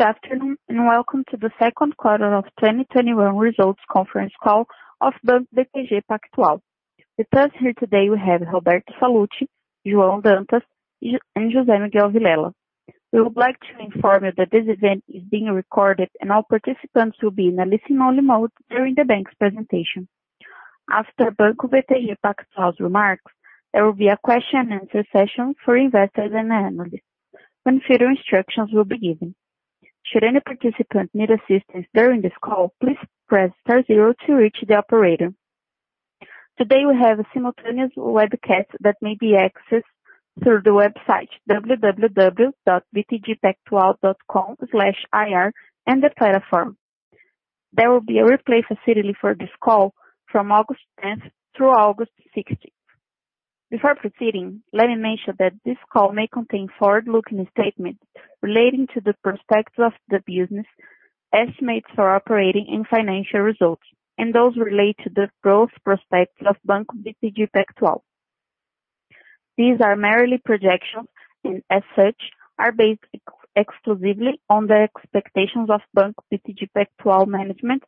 Good afternoon, welcome to the second quarter of 2021 results conference call of Banco BTG Pactual. With us here today, we have Roberto Sallouti, João Dantas, and José Miguel Vilela. We would like to inform you that this event is being recorded, and all participants will be in a listen-only mode during the bank's presentation. After Banco BTG Pactual's remarks, there will be a question and answer session for investors and analysts when further instructions will be given. Should any participant need assistance during this call, please press star zero to reach the operator. Today, we have a simultaneous webcast that may be accessed through the website www.btgpactual.com/ir in the platform. There will be a replay facility for this call from August 10th through August 16th. Before proceeding, let me mention that this call may contain forward-looking statements relating to the prospects of the business, estimates for operating and financial results, and those relate to the growth prospects of Banco BTG Pactual. These are merely projections and as such, are based exclusively on the expectations of Banco BTG Pactual management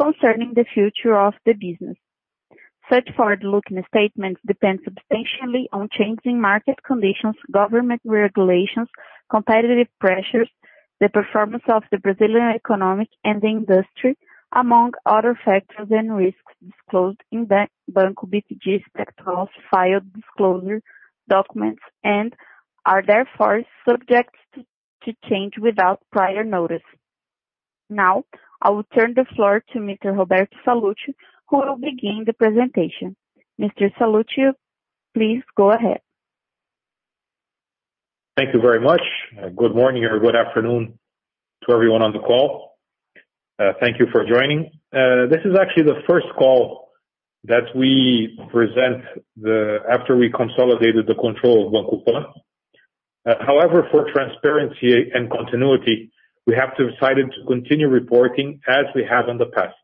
concerning the future of the business. Such forward-looking statements depend substantially on changing market conditions, government regulations, competitive pressures, the performance of the Brazilian economy and the industry, among other factors and risks disclosed in Banco BTG Pactual's filed disclosure documents, and are therefore subject to change without prior notice. Now, I will turn the floor to Mr. Roberto Sallouti, who will begin the presentation. Mr. Sallouti, please go ahead. Thank you very much. Good morning or good afternoon to everyone on the call. Thank you for joining. This is actually the first call that we present after we consolidated the control of Banco Pan. For transparency and continuity, we have decided to continue reporting as we have in the past.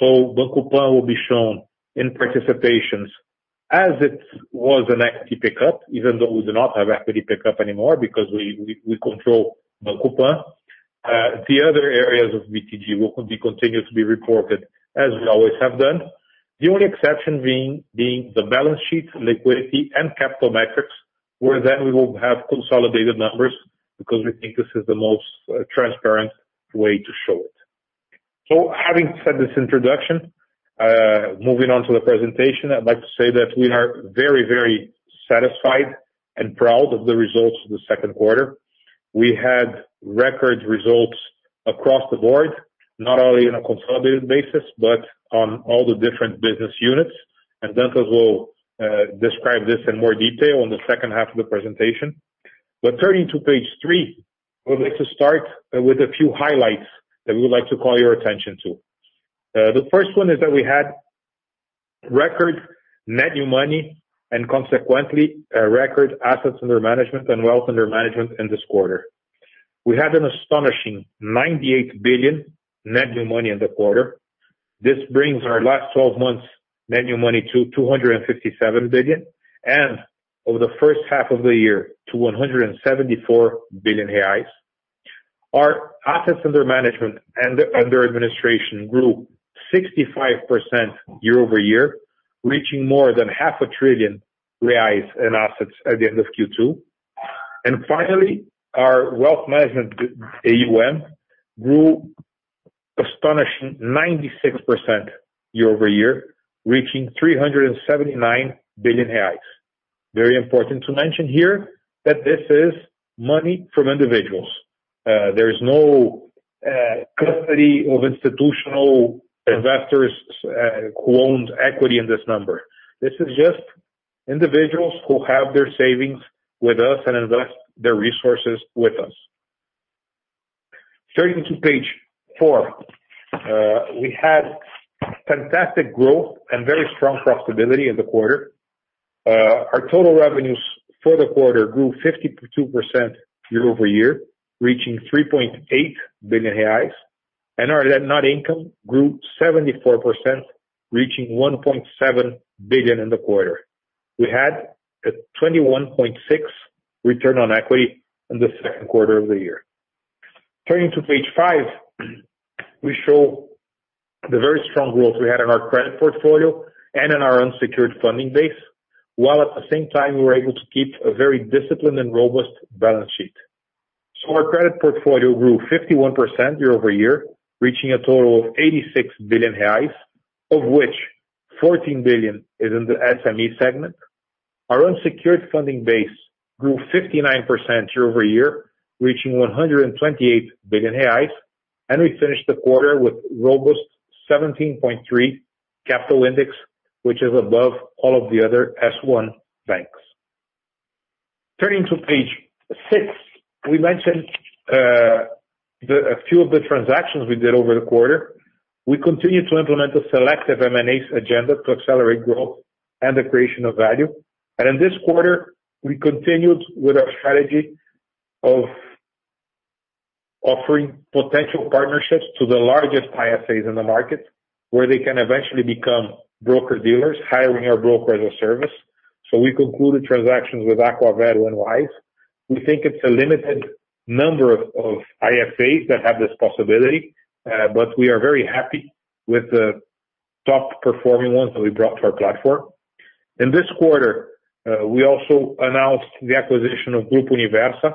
Banco Pan will be shown in participations as it was an equity pickup, even though we do not have equity pickup anymore because we control Banco Pan. The other areas of BTG will be continued to be reported as we always have done. The only exception being the balance sheet liquidity and capital metrics, where then we will have consolidated numbers because we think this is the most transparent way to show it. Having said this introduction, moving on to the presentation, I'd like to say that we are very, very satisfied and proud of the results of the second quarter. We had record results across the board, not only on a consolidated basis, but on all the different business units, and that as well describe this in more detail on the second half of the presentation. Turning to page three, I would like to start with a few highlights that we would like to call your attention to. The first one is that we had record net new money and consequently, record assets under management and wealth under management in this quarter. We had an astonishing R$98 billion net new money in the quarter. This brings our last 12 months net new money to R$257 billion, and over the first half of the year to R$174 billion. Our assets under management and under administration grew 65% year-over-year, reaching more than half a trillion reais in assets at the end of Q2. Finally, our wealth management, AUM, grew astonishing 96% year-over-year, reaching R$379 billion. Very important to mention here that this is money from individuals. There is no custody of institutional investors who owned equity in this number. This is just individuals who have their savings with us and invest their resources with us. Turning to page four. We had fantastic growth and very strong profitability in the quarter. Our total revenues for the quarter grew 52% year-over-year, reaching R$3.8 billion. Our net income grew 74%, reaching R$1.7 billion in the quarter. We had a 21.6% return on equity in the second quarter of the year. Turning to page five, we show the very strong growth we had in our credit portfolio and in our unsecured funding base, while at the same time, we were able to keep a very disciplined and robust balance sheet. Our credit portfolio grew 51% year-over-year, reaching a total of 86 billion reais, of which 14 billion is in the SME segment. Our unsecured funding base grew 59% year-over-year, reaching 128 billion reais. We finished the quarter with robust 17.3% capital index, which is above all of the other S1 banks. Turning to page 6, we mentioned a few of the transactions we did over the quarter. We continued to implement a selective M&As agenda to accelerate growth and the creation of value. In this quarter, we continued with our strategy of offering potential partnerships to the largest IFAs in the market, where they can eventually become broker-dealers hiring our broker as a service. We concluded transactions with Acqua Vero and Wiser. We think it's a limited number of IFAs that have this possibility, but we are very happy with the top-performing ones that we brought to our platform. In this quarter, we also announced the acquisition of Grupo Universa,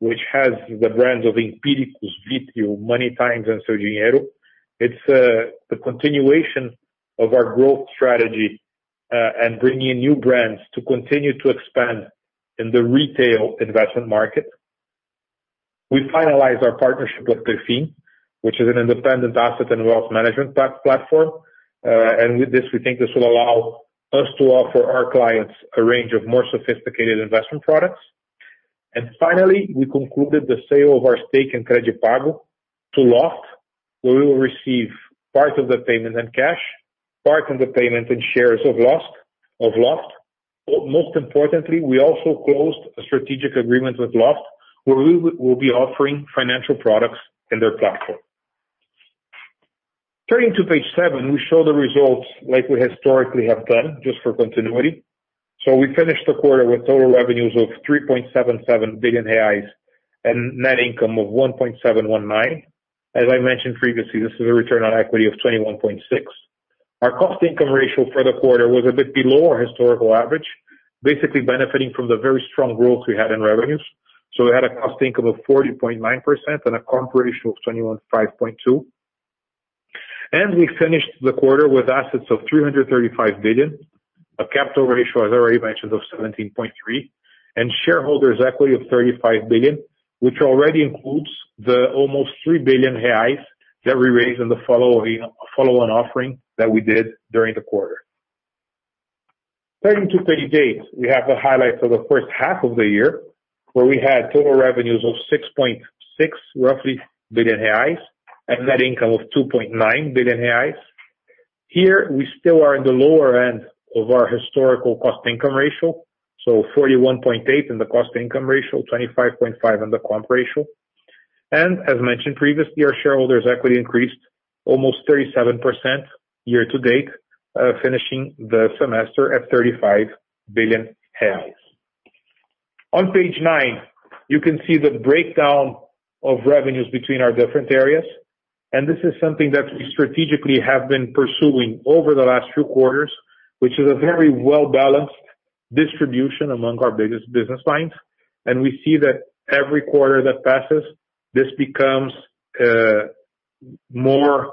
which has the brands of Empiricus, Vitreo, Money Times, and Seu Dinheiro. It's the continuation of our growth strategy, and bringing in new brands to continue to expand in the retail investment market. We finalized our partnership with Perfin, which is an independent asset and wealth management platform. With this, we think this will allow us to offer our clients a range of more sophisticated investment products. Finally, we concluded the sale of our stake in CredPago to Loft. We will receive part of the payment in cash, part of the payment in shares of Loft. Most importantly, we also closed a strategic agreement with Loft, where we will be offering financial products in their platform. Turning to page seven, we show the results like we historically have done, just for continuity. We finished the quarter with total revenues of 3.77 billion reais and net income of 1.719. As I mentioned previously, this is a return on equity of 21.6%. Our cost income ratio for the quarter was a bit below our historical average, basically benefiting from the very strong growth we had in revenues. We had a cost income of 40.9% and a comp ratio of 25.2%. We finished the quarter with assets of 335 billion. A capital ratio, as I already mentioned, of 17.3%, and shareholders' equity of 35 billion, which already includes the almost 3 billion reais that we raised in the follow-on offering that we did during the quarter. Turning to page eight, we have the highlights of the first half of the year, where we had total revenues of 6.6, roughly, billion and net income of 2.9 billion reais. Here, we still are in the lower end of our historical cost income ratio, 41.8% in the cost income ratio, 25.5% on the comp ratio. As mentioned previously, our shareholders' equity increased almost 37% year-to-date, finishing the semester at 35 billion reais. On page nine, you can see the breakdown of revenues between our different areas. This is something that we strategically have been pursuing over the last few quarters, which is a very well-balanced distribution among our biggest business lines. We see that every quarter that passes, this becomes more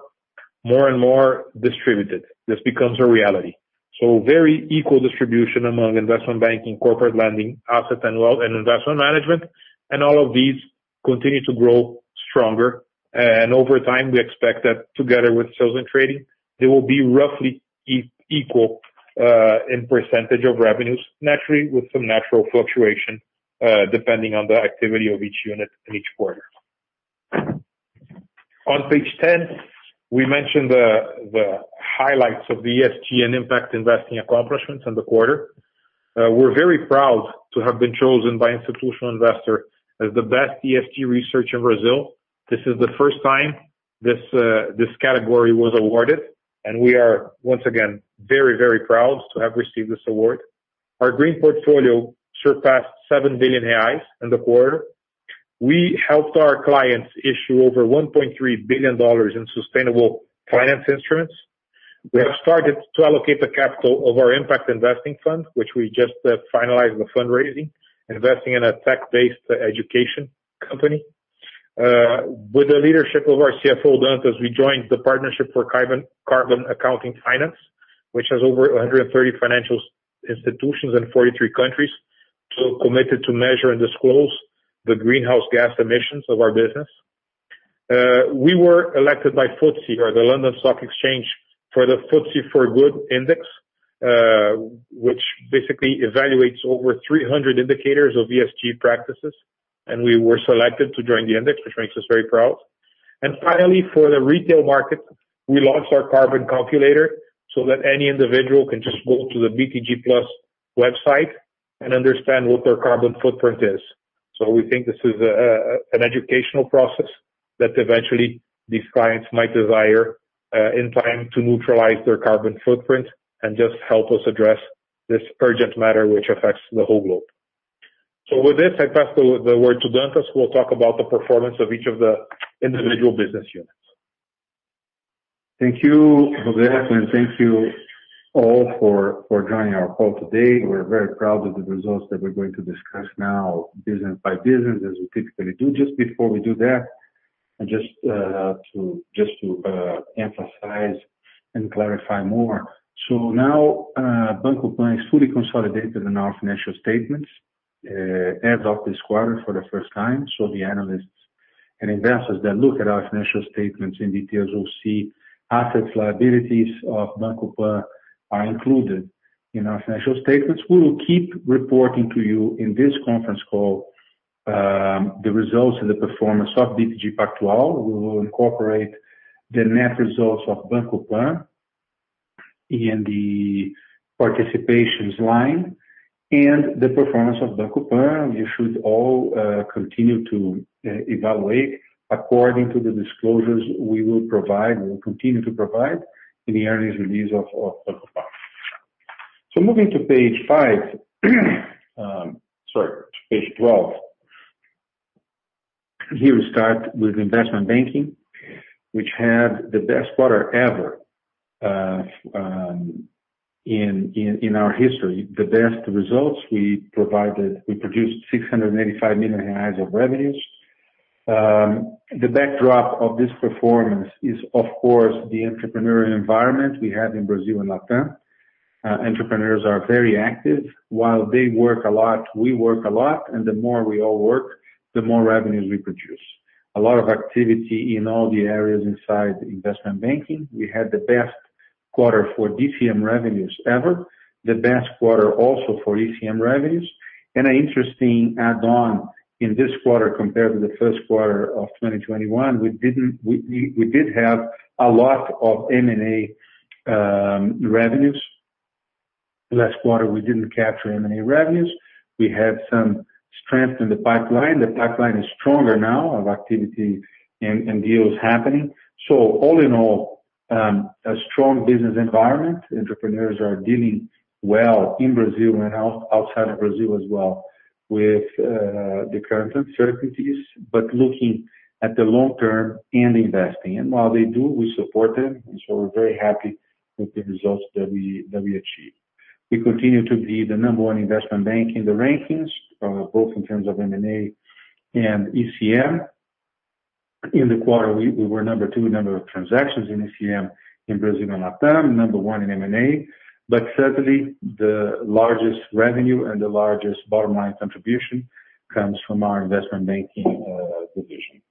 and more distributed. This becomes a reality. Very equal distribution among investment banking, corporate lending, asset and wealth, and investment management. All of these continue to grow stronger. Over time, we expect that together with sales and trading, they will be roughly equal, in % of revenues, naturally, with some natural fluctuation, depending on the activity of each unit in each quarter. On page 10, we mentioned the highlights of the ESG and impact investing accomplishments in the quarter. We are very proud to have been chosen by Institutional Investor as the Best ESG Research Team in Brazil. This is the first time this category was awarded, and we are, once again, very proud to have received this award. Our green portfolio surpassed 7 billion reais in the quarter. We helped our clients issue over $1.3 billion in sustainable finance instruments. We have started to allocate the capital of our impact investing fund, which we just finalized the fundraising, investing in a tech-based education company. With the leadership of our CFO, Dantas, we joined the Partnership for Carbon Accounting Financials, which has over 130 financial institutions in 43 countries, so committed to measure and disclose the greenhouse gas emissions of our business. We were elected by FTSE, or the London Stock Exchange, for the FTSE4Good Emerging Index, which basically evaluates over 300 indicators of ESG practices. We were selected to join the index, which makes us very proud. Finally, for the retail market, we launched our carbon calculator so that any individual can just go to the BTG+ website and understand what their carbon footprint is. We think this is an educational process that eventually these clients might desire, in time, to neutralize their carbon footprint and just help us address this urgent matter, which affects the whole globe. With this, I pass the word to Dantas, who will talk about the performance of each of the individual business units. Thank you, José, and thank you all for joining our call today. We're very proud of the results that we're going to discuss now, business by business, as we typically do. Just before we do that, just to emphasize and clarify more. Now, Banco Pan is fully consolidated in our financial statements as of this quarter for the first time. The analysts and investors that look at our financial statements in detail will see assets, liabilities of Banco Pan are included in our financial statements. We will keep reporting to you in this conference call, the results and the performance of BTG Pactual. We will incorporate the net results of Banco Pan in the participations line. The performance of Banco Pan, you should all continue to evaluate according to the disclosures we will provide, we'll continue to provide in the earnings release of Banco Pan. Moving to page 12. Here we start with investment banking, which had the best quarter ever in our history. The best results we produced 685 million of revenues. The backdrop of this performance is, of course, the entrepreneurial environment we have in Brazil and LatAm. Entrepreneurs are very active. While they work a lot, we work a lot, and the more we all work, the more revenues we produce. A lot of activity in all the areas inside investment banking. We had the best quarter for DCM revenues ever, the best quarter also for ECM revenues. An interesting add-on in this quarter compared to the first quarter of 2021, we did have a lot of M&A revenues. Last quarter, we didn't capture M&A revenues. We had some strength in the pipeline. The pipeline is stronger now of activity and deals happening. All in all, a strong business environment. Entrepreneurs are dealing well in Brazil and outside of Brazil as well with the current uncertainties, but looking at the long term and investing. While they do, we support them, and so we're very happy with the results that we achieved. We continue to be the number one investment bank in the rankings, both in terms of M&A and ECM. In the quarter, we were number two in number of transactions in ECM in Brazil and LatAm, number one in M&A. Certainly, the largest revenue and the largest bottom line contribution comes from our investment banking division.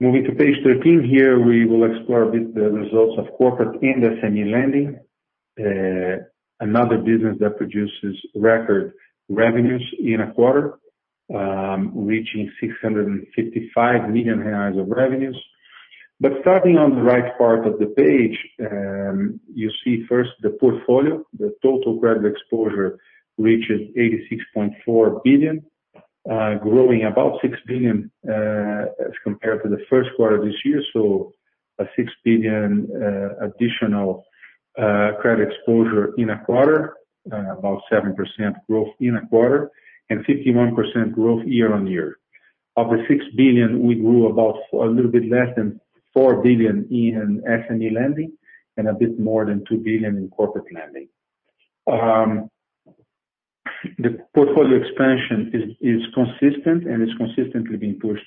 Moving to page 13, here we will explore a bit the results of corporate and SME lending. Another business that produces record revenues in a quarter, reaching R$655 million of revenues. Starting on the right part of the page, you see first the portfolio, the total credit exposure reaches R$86.4 billion, growing about R$6 billion as compared to the first quarter of this year. A R$6 billion additional credit exposure in a quarter, about 7% growth in a quarter, and 51% growth year-on-year. Of the R$6 billion, we grew about a little bit less than R$4 billion in SME lending, and a bit more than R$2 billion in corporate lending. The portfolio expansion is consistent, and it's consistently being pushed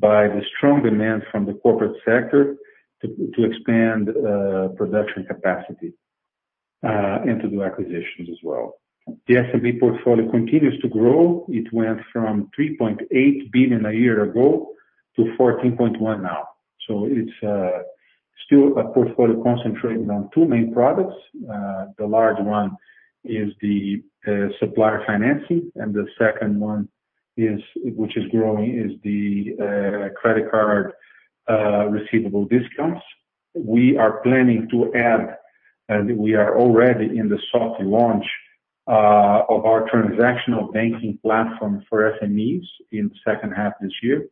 by the strong demand from the corporate sector to expand production capacity, and to do acquisitions as well. The SME portfolio continues to grow. It went from R$3.8 billion a year ago to R$14.1 now. It's still a portfolio concentrated on two main products. The large one is the supplier financing, and the second one, which is growing, is the credit card receivable discounts. We are planning to add, and we are already in the soft launch of our transactional banking platform for SMEs in the second half of this year.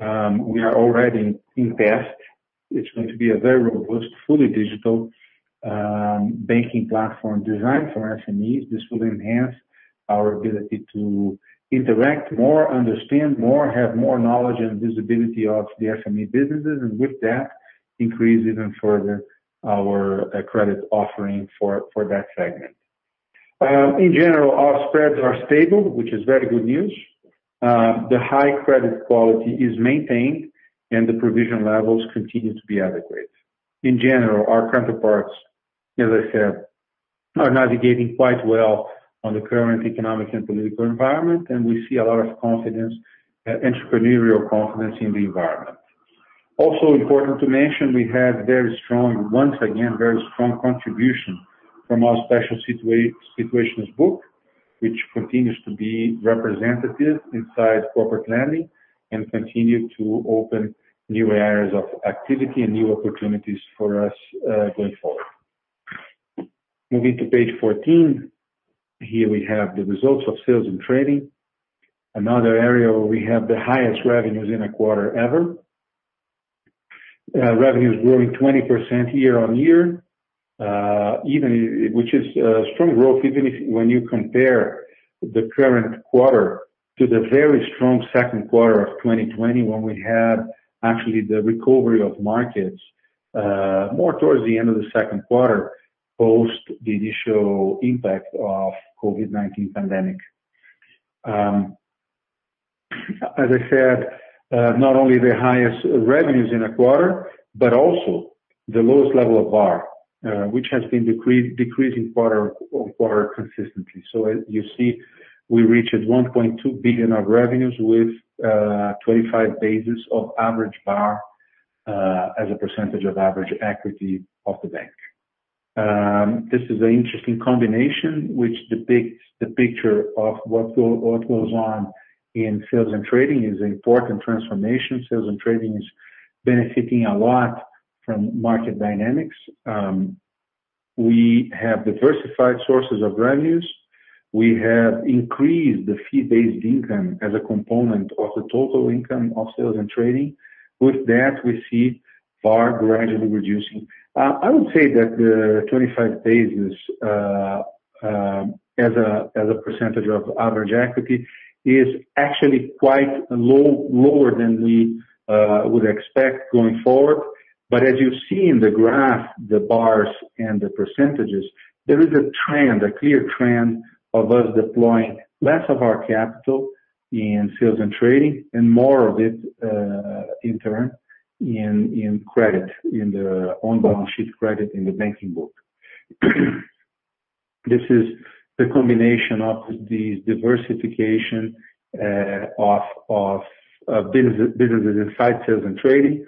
We are already in test. It's going to be a very robust, fully digital banking platform designed for SMEs. This will enhance our ability to interact more, understand more, have more knowledge and visibility of the SME businesses, and with that, increase even further our credit offering for that segment. In general, our spreads are stable, which is very good news. The high credit quality is maintained, and the provision levels continue to be adequate. In general, our counterparts, as I said, are navigating quite well on the current economic and political environment, and we see a lot of entrepreneurial confidence in the environment. Also important to mention, we have, once again, very strong contribution from our special situations book, which continues to be representative inside corporate lending and continue to open new areas of activity and new opportunities for us going forward. Moving to page 14, here we have the results of sales and trading. Another area where we have the highest revenues in a quarter ever. Revenues growing 20% year-on-year, which is a strong growth even when you compare the current quarter to the very strong second quarter of 2020, when we had actually the recovery of markets more towards the end of the second quarter post the initial impact of COVID-19 pandemic. As I said, not only the highest revenues in a quarter, but also the lowest level of VaR, which has been decreasing quarter on quarter consistently. As you see, we reached R$1.2 billion of revenues with 25 basis of average VaR as a percentage of average equity of the bank. This is an interesting combination, which depicts the picture of what goes on in sales and trading is an important transformation. Sales and trading is benefiting a lot from market dynamics. We have diversified sources of revenues. We have increased the fee-based income as a component of the total income of sales and trading. With that, we see VaR gradually reducing. I would say that the 25 basis. As a percentage of average equity is actually quite lower than we would expect going forward. As you see in the graph, the bars and the percentages, there is a trend, a clear trend of us deploying less of our capital in sales and trading and more of it, in turn, in credit, in the on-balance sheet credit in the banking book. This is the combination of the diversification of businesses inside sales and trading,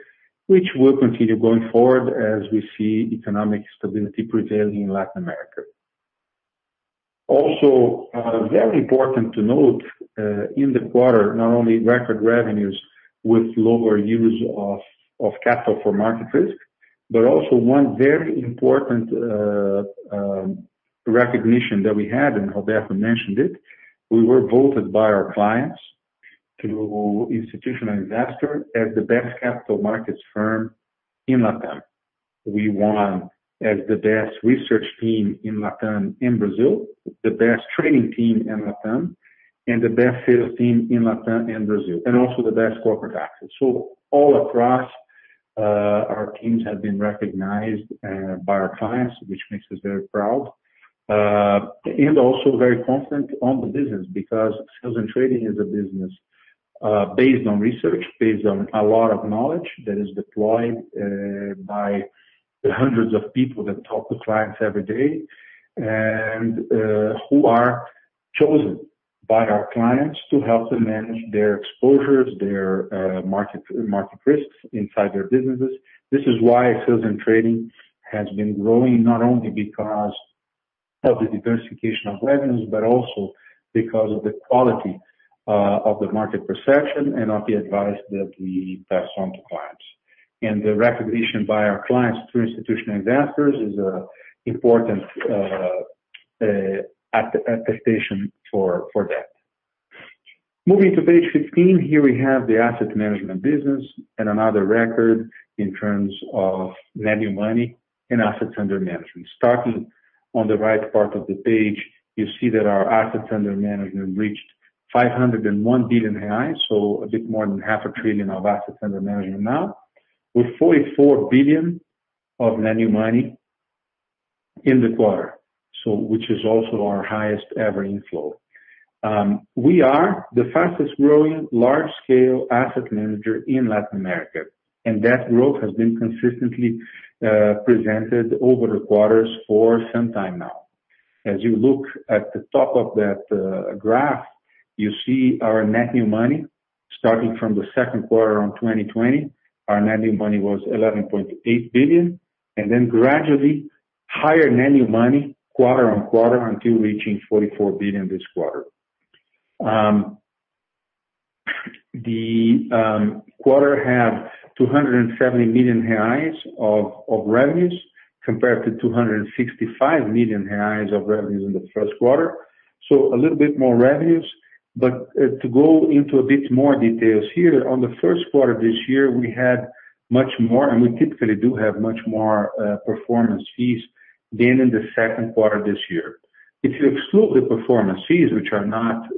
which will continue going forward as we see economic stability prevailing in Latin America. Very important to note in the quarter, not only record revenues with lower use of capital for market risk, but also one very important recognition that we had, and Roberto Sallouti mentioned it, we were voted by our clients through Institutional Investor as the best capital markets firm in LatAm. We won as the Best Research Team in LatAm in Brazil, the best trading team in LatAm, and the best sales team in LatAm and Brazil, and also the best corporate access. All across, our teams have been recognized by our clients, which makes us very proud, and also very confident on the business because sales and trading is a business based on research, based on a lot of knowledge that is deployed by hundreds of people that talk to clients every day, and who are chosen by our clients to help them manage their exposures, their market risks inside their businesses. This is why sales and trading has been growing, not only because of the diversification of revenues, but also because of the quality of the market perception and of the advice that we pass on to clients. The recognition by our clients through Institutional Investor is an important attestation for that. Moving to page 15, here we have the asset management business and another record in terms of net new money and assets under management. Starting on the right part of the page, you see that our assets under management reached 501 billion reais, so a bit more than half a trillion of assets under management now, with 44 billion of net new money in the quarter. Which is also our highest ever inflow. We are the fastest growing large-scale asset manager in Latin America, and that growth has been consistently presented over the quarters for some time now. As you look at the top of that graph, you see our net new money starting from the Q2 of 2020. Our net new money was 11.8 billion, and then gradually higher net new money quarter-on-quarter until reaching 44 billion this quarter. The quarter had 270 million reais of revenues compared to 265 million reais of revenues in the first quarter. A little bit more revenues. To go into a bit more details here, on the first quarter of this year, we had much more, and we typically do have much more performance fees than in the second quarter this year. If you exclude the performance fees, which are not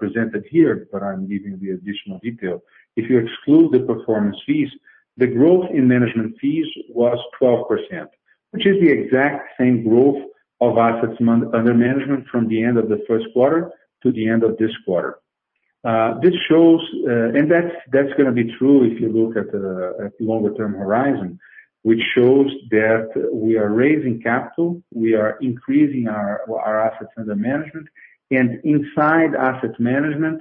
presented here, but I'm giving you additional detail. If you exclude the performance fees, the growth in management fees was 12%, which is the exact same growth of assets under management from the end of the first quarter to the end of this quarter. That's going to be true if you look at the longer term horizon, which shows that we are raising capital, we are increasing our assets under management. Inside asset management,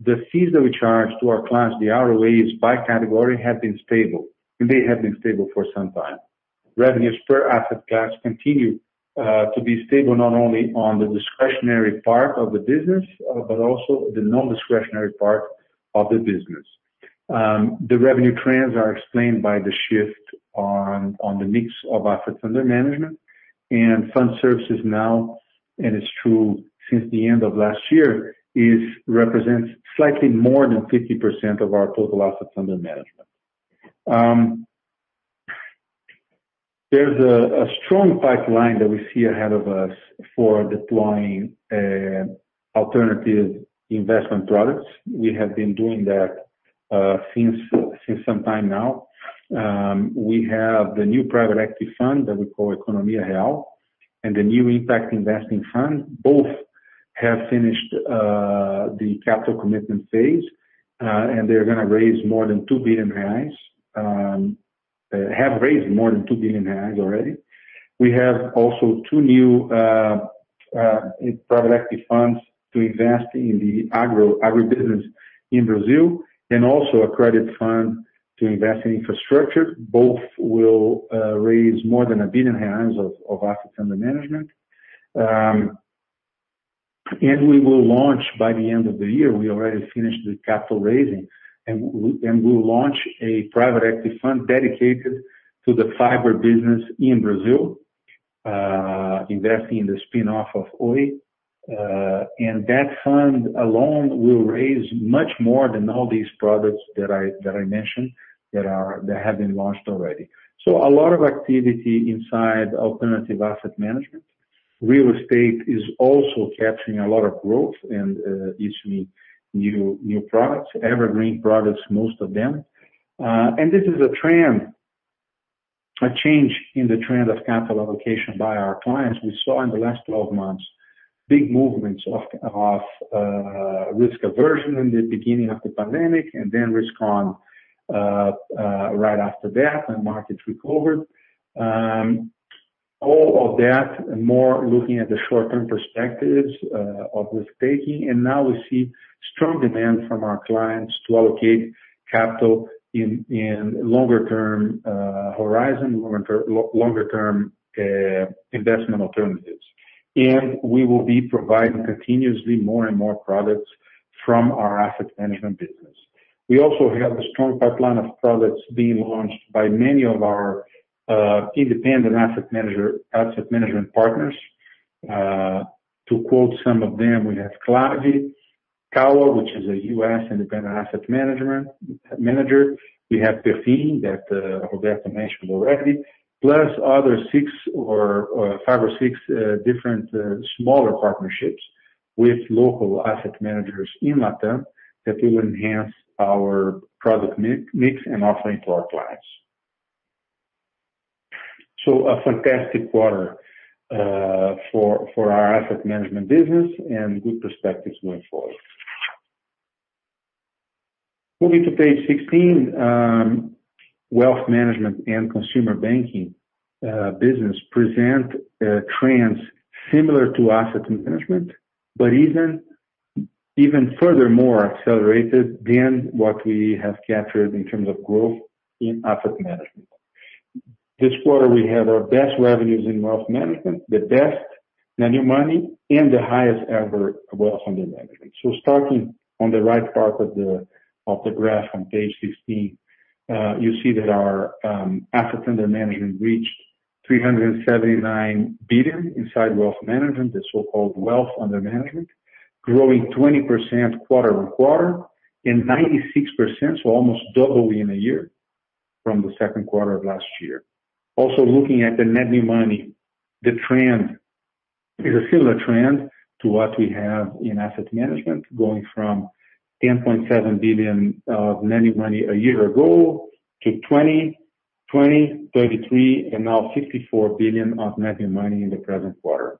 the fees that we charge to our clients, the ROAs by category, have been stable, and they have been stable for some time. Revenues per asset class continue to be stable, not only on the discretionary part of the business, but also the non-discretionary part of the business. The revenue trends are explained by the shift on the mix of assets under management and fund services now, and it's true since the end of last year, represents slightly more than 50% of our total assets under management. There's a strong pipeline that we see ahead of us for deploying alternative investment products. We have been doing that since some time now. We have the new private equity fund that we call Economia Real and the new impact investing fund. Both have finished the capital commitment phase, and they're going to raise more than 2 billion reais. Have raised more than 2 billion reais already. We have also two new private equity funds to invest in the agribusiness in Brazil, and also a credit fund to invest in infrastructure. Both will raise more than 1 billion of assets under management. We will launch by the end of the year, we already finished the capital raising, and we will launch a private equity fund dedicated to the fiber business in Brazil, investing in the spin-off of Oi. That fund alone will raise much more than all these products that I mentioned that have been launched already. A lot of activity inside alternative asset management. Real estate is also capturing a lot of growth and issuing new products, evergreen products, most of them. This is a change in the trend of capital allocation by our clients. We saw in the last 12 months, big movements of risk aversion in the beginning of the pandemic, and then risk on right after that, and markets recovered. All of that and more looking at the short-term perspectives of risk-taking, and now we see strong demand from our clients to allocate capital in longer term horizon, longer term investment alternatives. We will be providing continuously more and more products from our asset management business. We also have a strong pipeline of products being launched by many of our independent asset management partners. To quote some of them, we have Clave, Kawa, which is a U.S. independent asset manager. We have Perfin that Roberto mentioned already, plus other five or six different smaller partnerships with local asset managers in LatAm that will enhance our product mix and offering to our clients. A fantastic quarter for our asset management business and good perspectives going forward. Moving to page 16, wealth management and consumer banking business present trends similar to asset management, but even furthermore accelerated than what we have captured in terms of growth in asset management. This quarter, we have our best revenues in wealth management, the best net new money, and the highest ever wealth under management. Starting on the right part of the graph on page 16, you see that our assets under management reached 379 billion inside wealth management, the so-called wealth under management, growing 20% quarter-on-quarter and 96%, so almost double in a year from the second quarter of last year. Also looking at the net new money, the trend is a similar trend to what we have in asset management, going from 10.7 billion of net new money a year ago to 20 billion, 33 billion, and now 54 billion of net new money in the present quarter.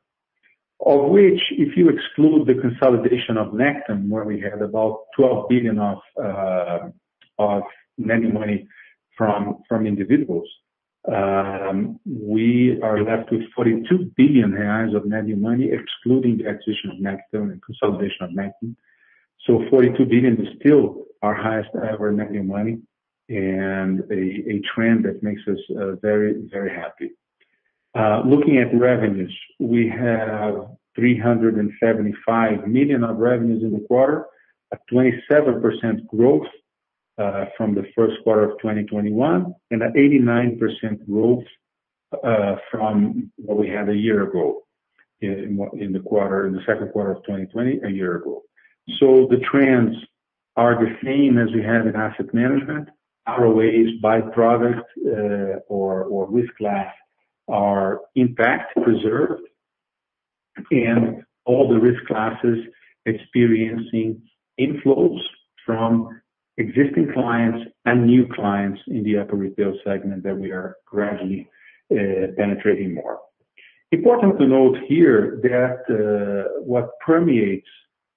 Of which, if you exclude the consolidation of Necton, where we had about 12 billion of net new money from individuals, we are left with 42 billion reais of net new money, excluding the acquisition of Necton and consolidation of Necton. 42 billion is still our highest ever net new money and a trend that makes us very happy. Looking at revenues, we have 375 million of revenues in the quarter, a 27% growth from the first quarter of 2021, and an 89% growth from what we had a year ago in the second quarter of 2020, a year ago. The trends are the same as we had in asset management. AUM's by product or risk class are in fact preserved, and all the risk classes experiencing inflows from existing clients and new clients in the upper retail segment that we are gradually penetrating more. Important to note here that what permeates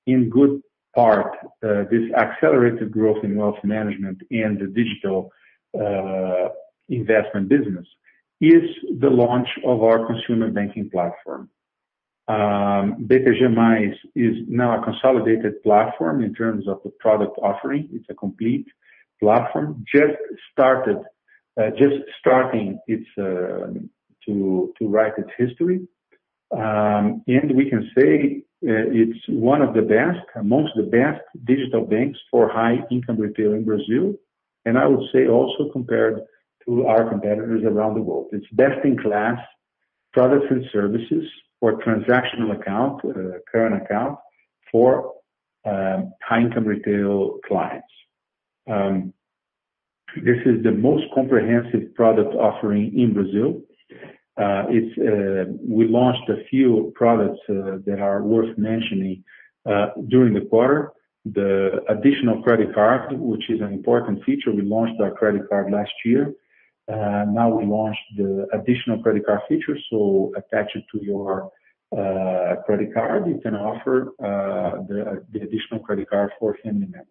in good part this accelerated growth in wealth management and the digital investment business is the launch of our consumer banking platform. BTG+ is now a consolidated platform in terms of the product offering. It's a complete platform just starting to write its history. We can say it's one of the best, amongst the best digital banks for high income retail in Brazil. I would say also compared to our competitors around the world. It's best in class products and services for transactional account, current account, for high income retail clients. This is the most comprehensive product offering in Brazil. We launched a few products that are worth mentioning during the quarter. The additional credit card, which is an important feature. We launched our credit card last year. Now we launched the additional credit card feature, so attach it to your credit card. You can offer the additional credit card for family members.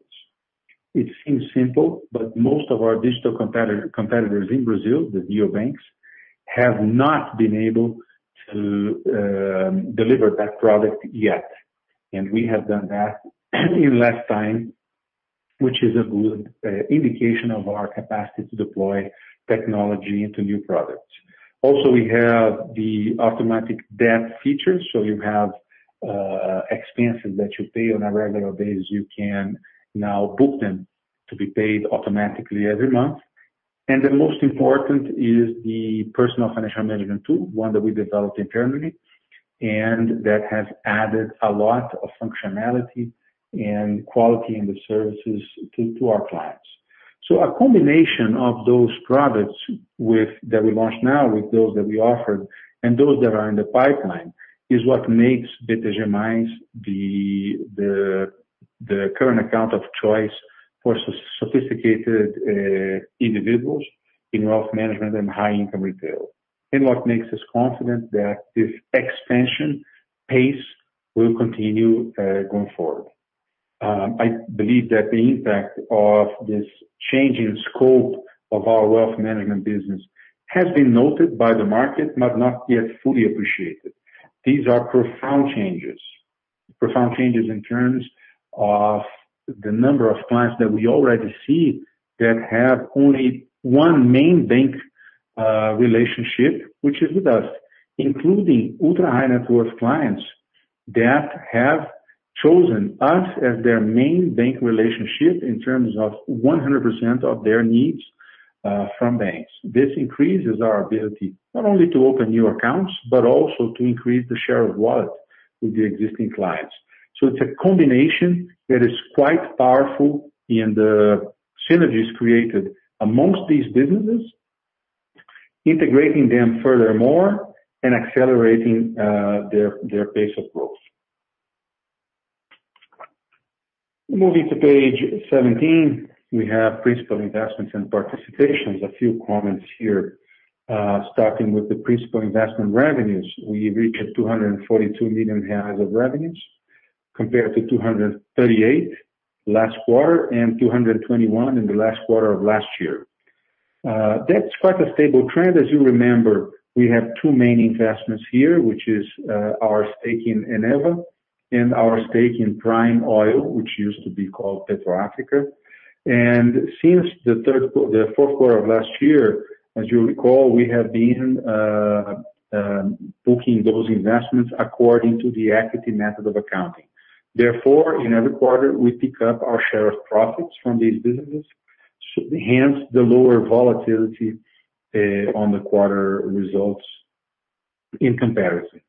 It seems simple, but most of our digital competitors in Brazil, the neo banks, have not been able to deliver that product yet. We have done that in less time, which is a good indication of our capacity to deploy technology into new products. Also, we have the automatic debt feature. You have expenses that you pay on a regular basis. You can now book them to be paid automatically every month. The most important is the personal financial management tool, one that we developed internally, and that has added a lot of functionality and quality in the services to our clients. A combination of those products that we launched now with those that we offered and those that are in the pipeline, is what makes BTG Mais the current account of choice for sophisticated individuals in wealth management and high income retail, and what makes us confident that this expansion pace will continue going forward. I believe that the impact of this change in scope of our wealth management business has been noted by the market, but not yet fully appreciated. These are profound changes. Profound changes in terms of the number of clients that we already see that have only one main bank relationship, which is with us, including ultra high net worth clients that have chosen us as their main bank relationship in terms of 100% of their needs from banks. This increases our ability, not only to open new accounts, but also to increase the share of wallet with the existing clients. It's a combination that is quite powerful in the synergies created amongst these businesses, integrating them furthermore and accelerating their pace of growth. Moving to page 17, we have principal investments and participations. A few comments here. Starting with the principal investment revenues, we reached 242 million reais of revenues compared to 238 million last quarter and 221 million in the last quarter of last year. That's quite a stable trend. As you remember, we have two main investments here, which is our stake in Eneva and our stake in Prime Oil, which used to be called Petrobras Oil & Gas B.V. since the fourth quarter of last year, as you recall, we have been booking those investments according to the equity method of accounting. Therefore, in every quarter, we pick up our share of profits from these businesses, hence the lower volatility on the quarter results in comparison.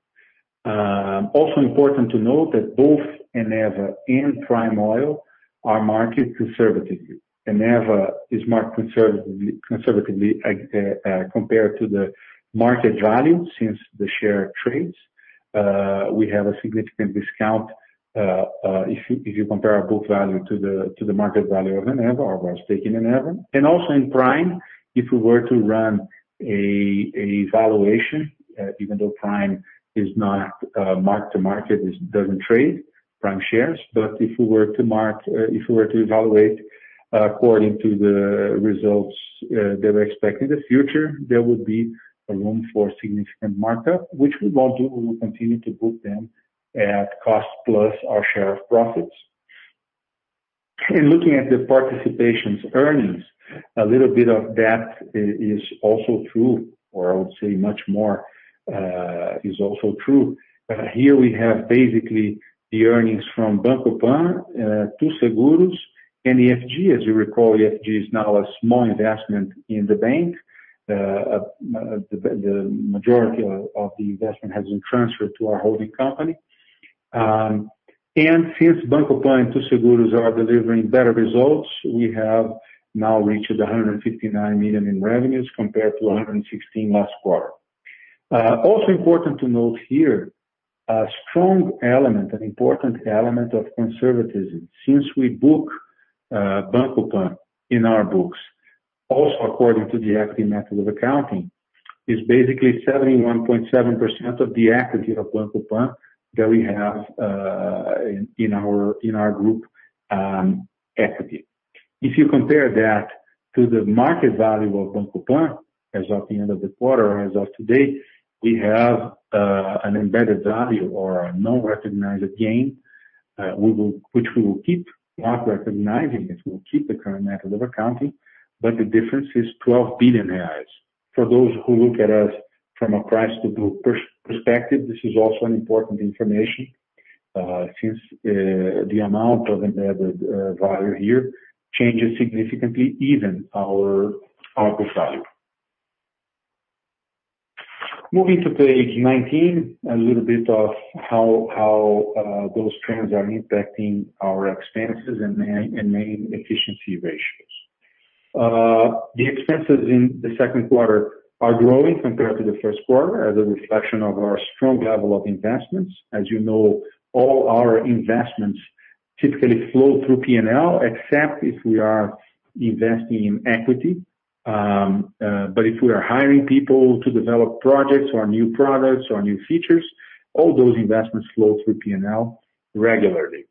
Also important to note that both Eneva and Prime Oil are marked conservatively. Eneva is marked conservatively compared to the market value since the share trades. We have a significant discount if you compare our book value to the market value of Eneva or our stake in Eneva. Also in Prime, if we were to run a valuation, even though Prime is not mark to market, it doesn't trade Prime shares. If we were to evaluate according to the results that are expected in the future, there would be a room for significant markup, which we won't do. We will continue to book them at cost plus our share of profits. In looking at the participations earnings, a little bit of that is also true, or I would say much more is also true. Here we have basically the earnings from Banco Pan, Too Seguros, and EFG. As you recall, EFG is now a small investment in the bank. The majority of the investment has been transferred to our holding company. Since Banco Pan, Too Seguros are delivering better results, we have now reached 159 million in revenues compared to 116 last quarter. Also important to note here, a strong element, an important element of conservatism. Since we book Banco Pan in our books, also according to the equity method of accounting, is basically 71.7% of the equity of Banco Pan that we have in our group equity. If you compare that to the market value of Banco Pan as of the end of the quarter, as of today, we have an embedded value or a non-recognized gain which we will keep not recognizing it, we'll keep the current method of accounting, but the difference is 12 billion reais. For those who look at us from a price to group perspective, this is also an important information, since the amount of embedded value here changes significantly, even our book value. Moving to page 19, a little bit of how those trends are impacting our expenses and main efficiency ratios. The expenses in the second quarter are growing compared to the first quarter as a reflection of our strong level of investments. As you know, all our investments typically flow through P&L, except if we are investing in equity. If we are hiring people to develop projects or new products or new features, all those investments flow through P&L regularly.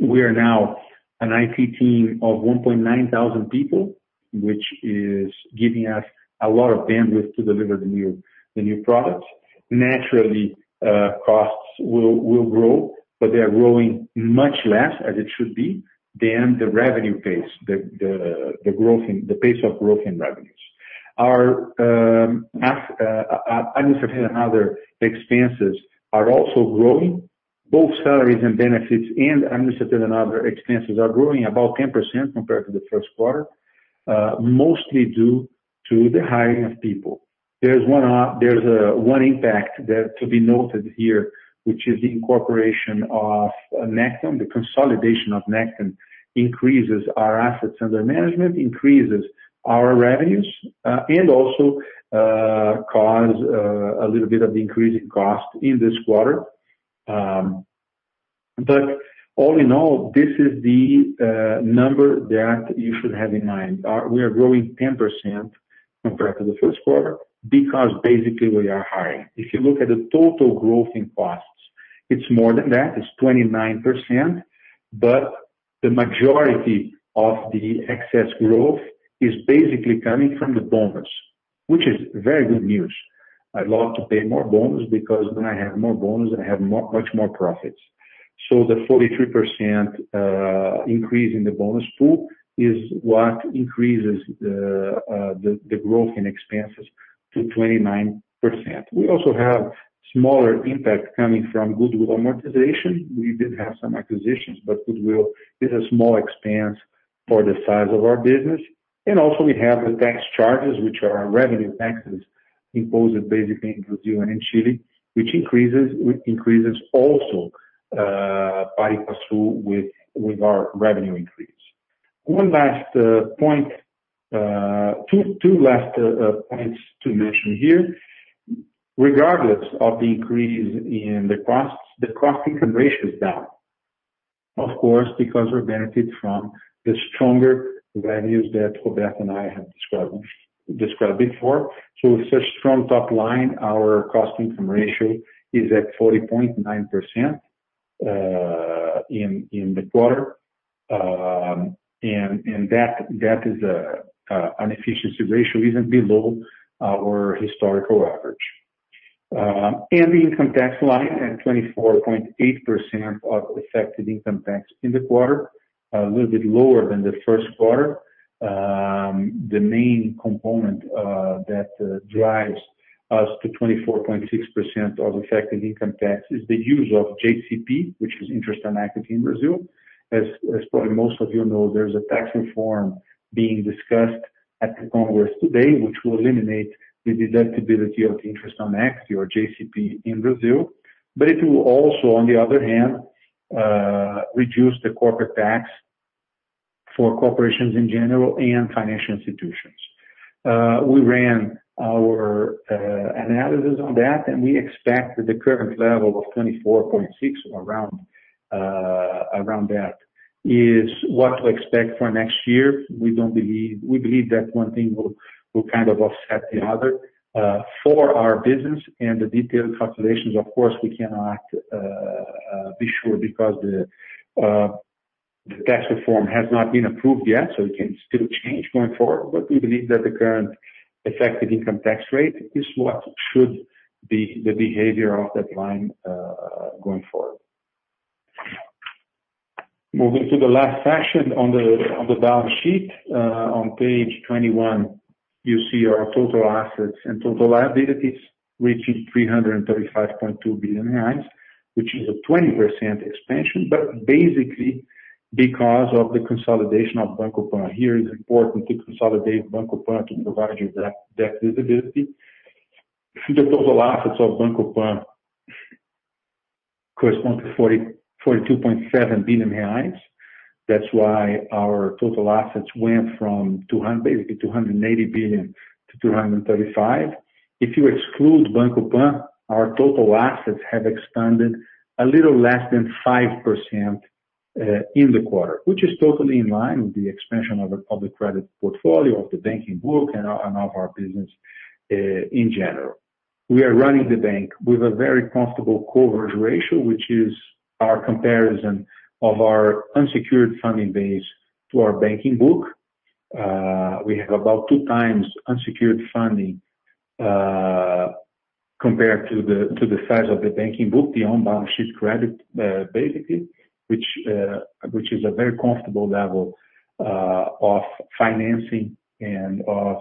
We are now an IT team of 1,900 people, which is giving us a lot of bandwidth to deliver the new products. Naturally, costs will grow, but they are growing much less as it should be than the revenue pace, the pace of growth in revenue. Our administrative and other expenses are also growing. Both salaries and benefits and administrative and other expenses are growing about 10% compared to the first quarter, mostly due to the hiring of people. There's one impact that to be noted here, which is the incorporation of Necton. The consolidation of Necton increases our assets under management, increases our revenues, and also cause a little bit of the increase in cost in this quarter. All in all, this is the number that you should have in mind. We are growing 10% compared to the first quarter because basically we are hiring. If you look at the total growth in costs, it's more than that, it's 29%. The majority of the excess growth is basically coming from the bonus, which is very good news. I love to pay more bonus because when I have more bonus, I have much more profits. The 43% increase in the bonus pool is what increases the growth in expenses to 29%. We also have smaller impact coming from goodwill amortization. We did have some acquisitions, goodwill is a small expense for the size of our business. Also we have the tax charges, which are our revenue taxes imposed basically in Brazil and in Chile, which increases also pari passu with our revenue increase. Two last points to mention here. Regardless of the increase in the costs, the cost income ratio is down, of course, because we benefit from the stronger values that Roberto Sallouti and I have described before. With such strong top line, our cost income ratio is at 40.9% in the quarter. That is an efficiency ratio even below our historical average. The income tax line at 24.8% of effective income tax in the quarter, a little bit lower than the first quarter. The main component that drives us to 24.6% of effective income tax is the use of JCP, which is interest on equity in Brazil. As probably most of you know, there's a tax reform being discussed at the Congress today, which will eliminate the deductibility of interest on equity or JCP in Brazil. It will also, on the other hand, reduce the corporate tax for corporations in general and financial institutions. We ran our analysis on that, and we expect that the current level of 24.6%, around that, is what to expect for next year. We believe that one thing will kind of offset the other. For our business and the detailed calculations, of course, we cannot be sure because the tax reform has not been approved yet, so it can still change going forward. We believe that the current effective income tax rate is what should be the behavior of that line going forward. Moving to the last section on the balance sheet. On page 21, you see our total assets and total liabilities reaching 335.2 billion reais, which is a 20% expansion, but basically because of the consolidation of Banco Pan. Here it is important to consolidate Banco Pan to provide you that visibility. The total assets of Banco Pan correspond to 42.7 billion reais. That is why our total assets went from basically 280 billion-235 billion. If you exclude Banco Pan, our total assets have expanded a little less than 5% in the quarter, which is totally in line with the expansion of the public credit portfolio of the banking book and of our business in general. We are running the bank with a very comfortable coverage ratio, which is our comparison of our unsecured funding base to our banking book. We have about two times unsecured funding, compared to the size of the banking book, the on-balance sheet credit basically, which is a very comfortable level of financing and of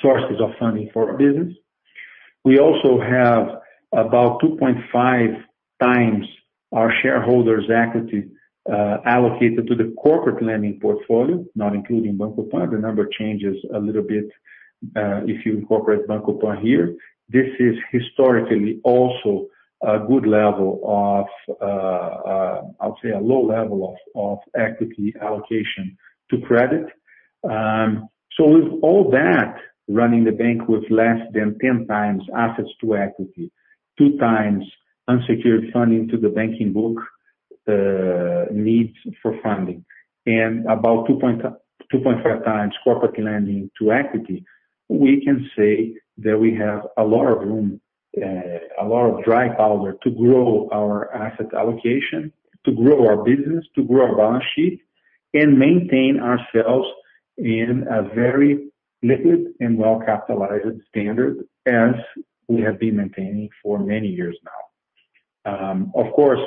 sources of funding for our business. We also have about 2.5 x our shareholders' equity allocated to the corporate lending portfolio, not including Banco Pan. The number changes a little bit, if you incorporate Banco Pan here. This is historically also a low level of equity allocation to credit. With all that, running the bank with less than 10 x assets to equity, 2 x unsecured funding to the banking book needs for funding, and about 2.5 x corporate lending to equity, we can say that we have a lot of room, a lot of dry powder to grow our asset allocation, to grow our business, to grow our balance sheet. Maintain ourselves in a very liquid and well-capitalized standard as we have been maintaining for many years now. Of course,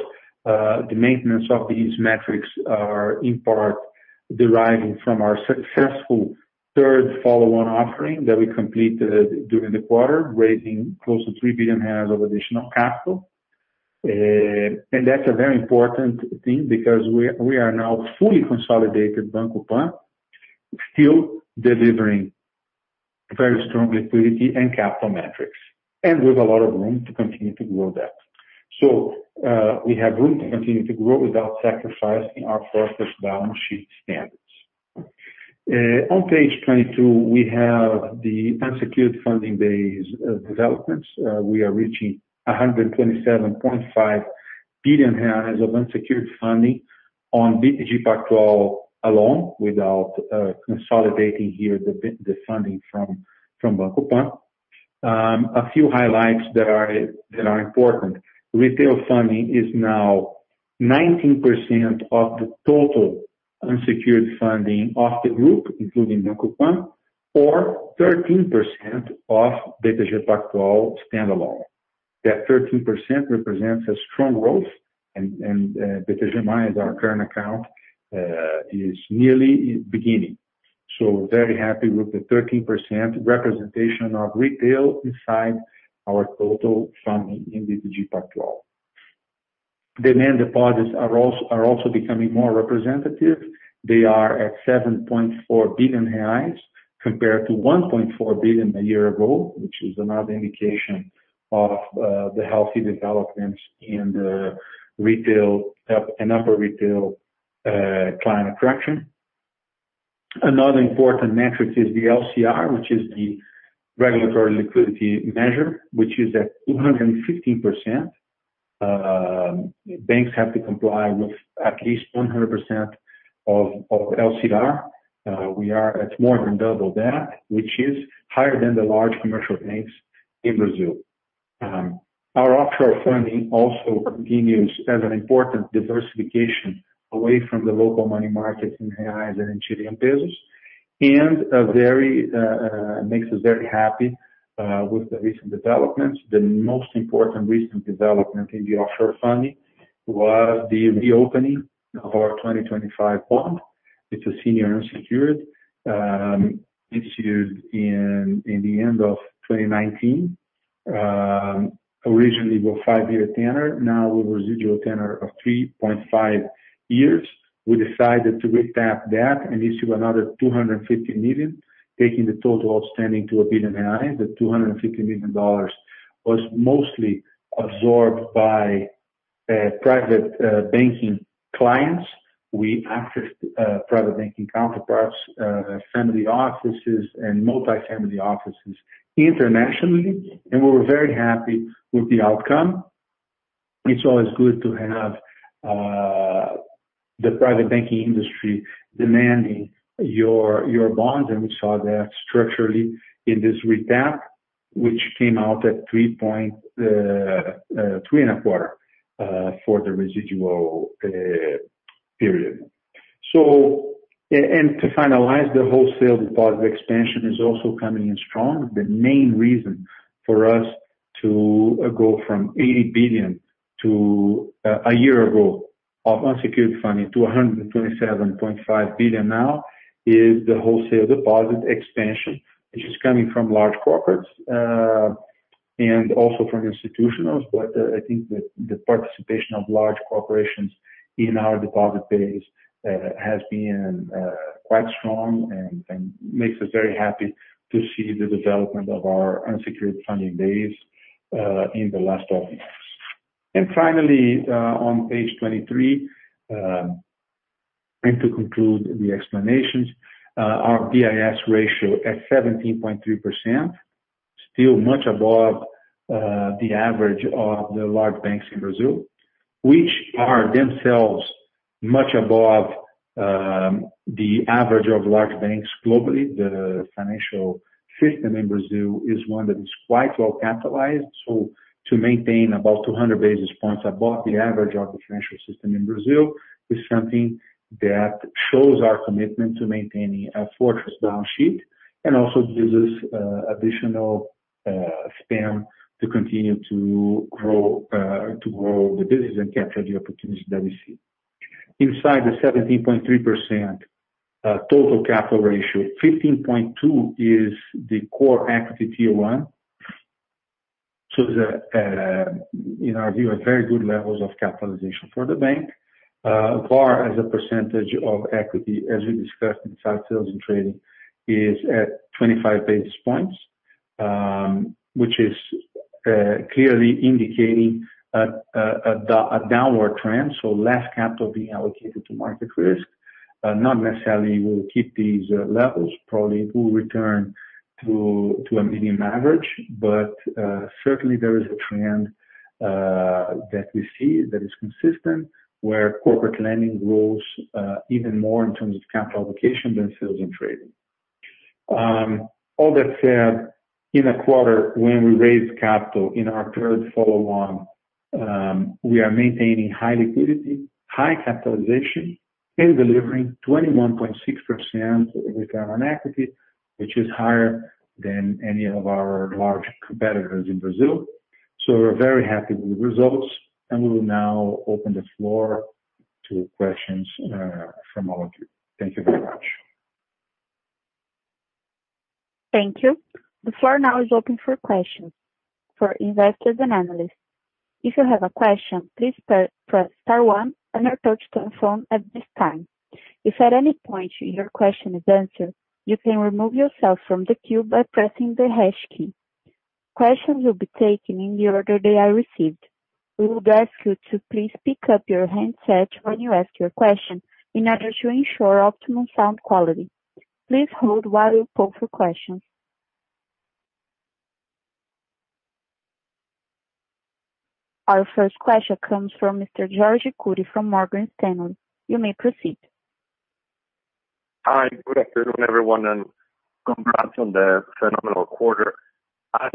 the maintenance of these metrics are in part deriving from our successful third follow-on offering that we completed during the quarter, raising close to 3 billion of additional capital. That's a very important thing because we are now fully consolidated Banco Pan, still delivering very strong liquidity and capital metrics, and with a lot of room to continue to grow that. We have room to continue to grow without sacrificing our fortress balance sheet standards. On page 22, we have the unsecured funding base developments. We are reaching 127.5 billion of unsecured funding on BTG Pactual alone without consolidating here the funding from Banco Pan. A few highlights that are important. Retail funding is now 19% of the total unsecured funding of the group, including Banco Pan, or 13% of BTG Pactual standalone. That 13% represents a strong growth and because remind our current account is nearly beginning. Very happy with the 13% representation of retail inside our total funding in BTG Pactual. Demand deposits are also becoming more representative. They are at 7.4 billion reais compared to 1.4 billion a year ago, which is another indication of the healthy developments in the retail and upper retail client attraction. Another important metric is the LCR, which is the regulatory liquidity measure, which is at 215%. Banks have to comply with at least 100% of LCR. We are at more than double that, which is higher than the large commercial banks in Brazil. Our offshore funding also continues as an important diversification away from the local money market in reais and in Chilean pesos, and makes us very happy with the recent developments. The most important recent development in the offshore funding was the reopening of our 2025 bond, which was senior unsecured, issued in the end of 2019. Originally with five-year tenor, now with residual tenor of three and half years. We decided to recap that and issue another $250 million, taking the total outstanding to 1 billion. The $250 million was mostly absorbed by private banking clients. We accessed private banking counterparts, family offices, and multi-family offices internationally. We were very happy with the outcome. It's always good to have the private banking industry demanding your bonds. We saw that structurally in this recap, which came out at three and a quarter for the residual period. To finalize, the wholesale deposit expansion is also coming in strong. The main reason for us to go from 80 billion a year ago of unsecured funding to 127.5 billion now is the wholesale deposit expansion, which is coming from large corporates, and also from institutionals. I think that the participation of large corporations in our deposit base has been quite strong and makes us very happy to see the development of our unsecured funding base in the last 12 months. Finally, on page 23, to conclude the explanations, our BIS ratio at 17.3%, still much above the average of the large banks in Brazil, which are themselves much above the average of large banks globally. The financial system in Brazil is one that is quite well capitalized. To maintain about 200 basis points above the average of the financial system in Brazil is something that shows our commitment to maintaining a fortress balance sheet, also gives us additional span to continue to grow the business and capture the opportunities that we see. Inside the 17.3% total capital ratio, 15.2% is the core equity Tier 1. That, in our view, are very good levels of capitalization for the bank. VaR as a percentage of equity, as we discussed in sales and trading, is at 25 basis points, which is clearly indicating a downward trend, so less capital being allocated to market risk. Not necessarily we'll keep these levels. Probably it will return to a medium average. Certainly, there is a trend that we see that is consistent, where corporate lending grows even more in terms of capital allocation than sales and trading. All that said, in a quarter when we raise capital in our third follow-on, we are maintaining high liquidity, high capitalization. In delivering 21.6% return on equity, which is higher than any of our large competitors in Brazil. We're very happy with the results, and we will now open the floor to questions from all of you. Thank you very much. Thank you. The floor now is open for questions for investors and analysts. If you have a question please press star one on your touch-tone phone. Questions will be taken in the order they are received. We would ask you to please pick up your handset when you ask your question, in order to ensure optimum sound quality. Our first question comes from Mr. Jorge Kuri from Morgan Stanley. You may proceed. Hi. Good afternoon, everyone, and congrats on the phenomenal quarter. I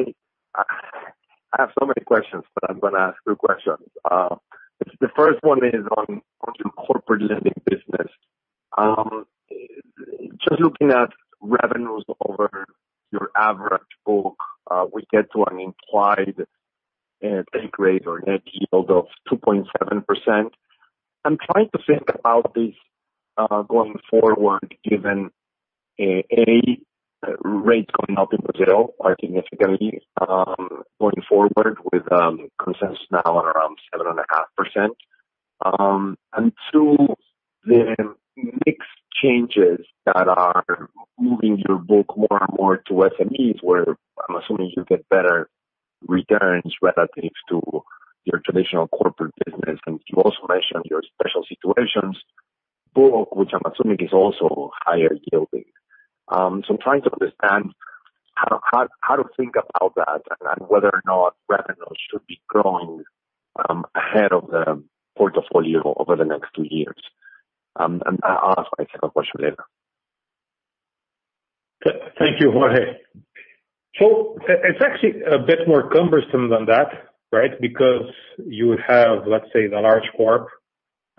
have so many questions, but I'm going to ask two questions. The first one is on your corporate lending business. Just looking at revenues over your average book, we get to an implied take rate or net yield of 2.7%. I'm trying to think about this going forward, given, A. rates going up in Brazil are significantly going forward with consensus now at around 7.5%. Two, the mix changes that are moving your book more and more to SMEs, where I'm assuming you get better returns relative to your traditional corporate business. You also mentioned your special situations book, which I'm assuming is also higher yielding. I'm trying to understand how to think about that and whether or not revenues should be growing ahead of the portfolio over the next two years. I'll ask my second question later. Thank you, Jorge. It's actually a bit more cumbersome than that, right?